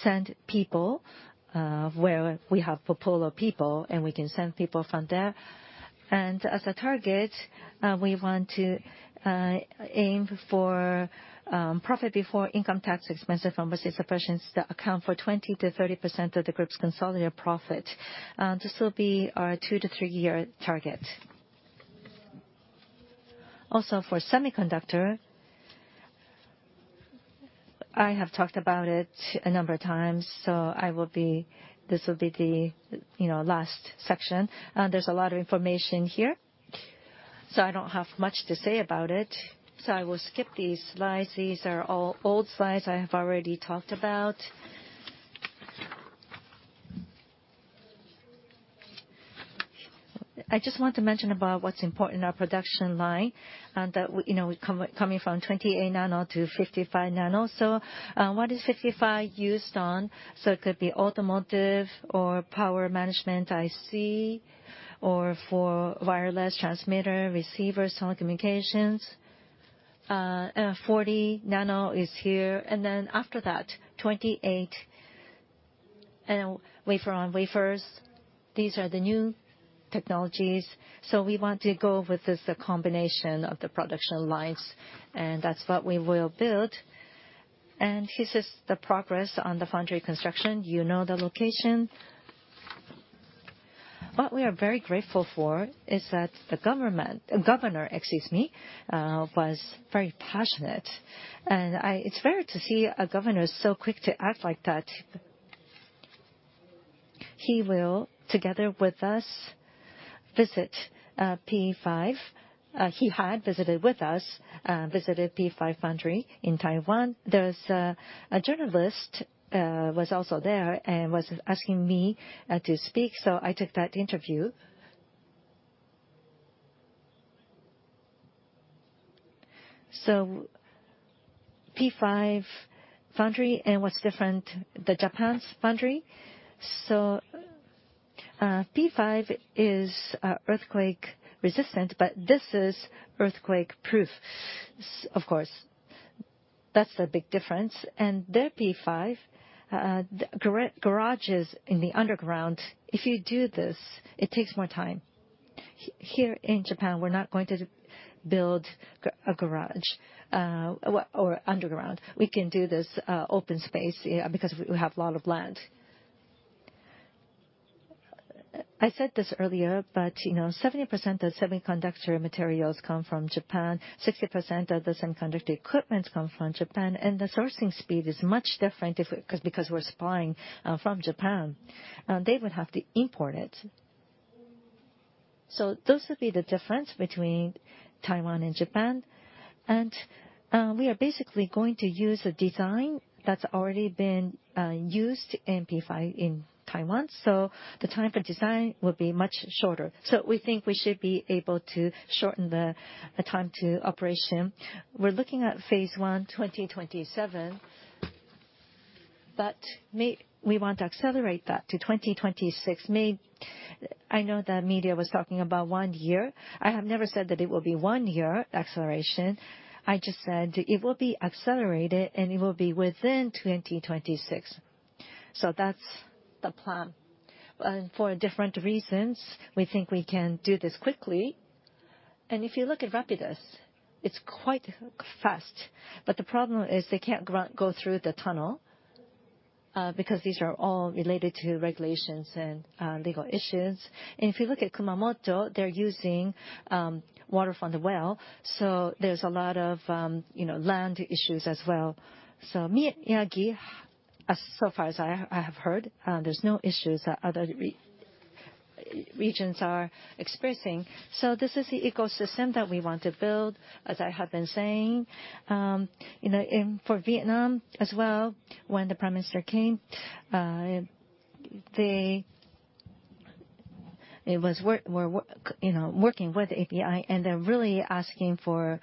send people, where we have a pool of people. We can send people from there. As a target, we want to aim for profit before income tax expenses from overseas operations to account for 20%-30% of the group's consolidated profit. This will be our two-three-year target. Also, for semiconductor, I have talked about it a number of times. So I will be this will be the, you know, last section. There's a lot of information here. So I don't have much to say about it. So I will skip these slides. These are all old slides I have already talked about. I just want to mention about what's important in our production line and that we, you know, we're coming from 28 nano to 55 nano. So, what is 55 used on? So it could be automotive or power management IC or for wireless transmitter, receivers, telecommunications. 40 nano is here. And then after that, 28, wafer on wafers. These are the new technologies. So we want to go with this combination of the production lines. And that's what we will build. And this is the progress on the foundry construction. You know the location. What we are very grateful for is that the government, governor, excuse me, was very passionate. And it's rare to see a governor so quick to act like that. He will, together with us, visit P5. He had visited with us, visited P5 foundry in Taiwan. There was a journalist who was also there and was asking me to speak. So I took that interview. So P5 foundry and what's different, Japan's foundry. So P5 is earthquake-resistant. But this is earthquake-proof, of course. That's the big difference. And their P5, garages in the underground. If you do this, it takes more time. Here in Japan, we're not going to build a garage, or underground. We can do this, open space, because we have a lot of land. I said this earlier. But, you know, 70% of semiconductor materials come from Japan. 60% of the semiconductor equipment comes from Japan. And the sourcing speed is much different if we because we're supplying, from Japan. They would have to import it. So those would be the difference between Taiwan and Japan. And, we are basically going to use a design that's already been, used in P5 in Taiwan. So the time for design will be much shorter. So we think we should be able to shorten the time to operation. We're looking at phase one 2027. But may we want to accelerate that to 2026. May I know the media was talking about one year. I have never said that it will be one year acceleration. I just said it will be accelerated. And it will be within 2026. So that's the plan. And for different reasons, we think we can do this quickly. And if you look at Rapidus, it's quite fast. But the problem is they can't go through the tunnel, because these are all related to regulations and legal issues. And if you look at Kumamoto, they're using water from the well. So there's a lot of, you know, land issues as well. So Miyagi, as far as I have heard, there's no issues that other regions are experiencing. So this is the ecosystem that we want to build, as I have been saying, you know, and for Vietnam as well, when the prime minister came, they, it was work we're, you know, working with API. They're really asking for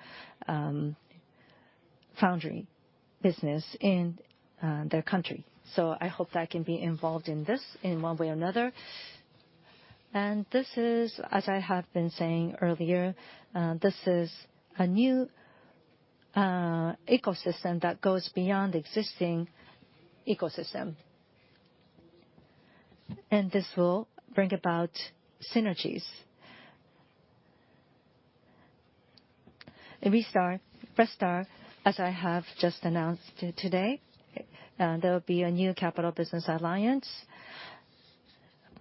foundry business in their country. So I hope that can be involved in this in one way or another. And this is, as I have been saying earlier, this is a new ecosystem that goes beyond the existing ecosystem. And this will bring about synergies. And Restar, Restar, as I have just announced today, there will be a new capital business alliance.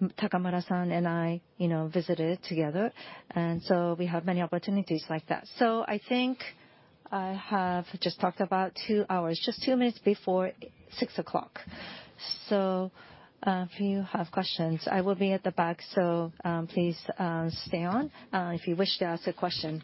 Takamura-san and I, you know, visited together. And so we have many opportunities like that. So I think I have just talked about two hours, just two minutes before 6 o'clock. So if you have questions, I will be at the back. So please stay on if you wish to ask a question.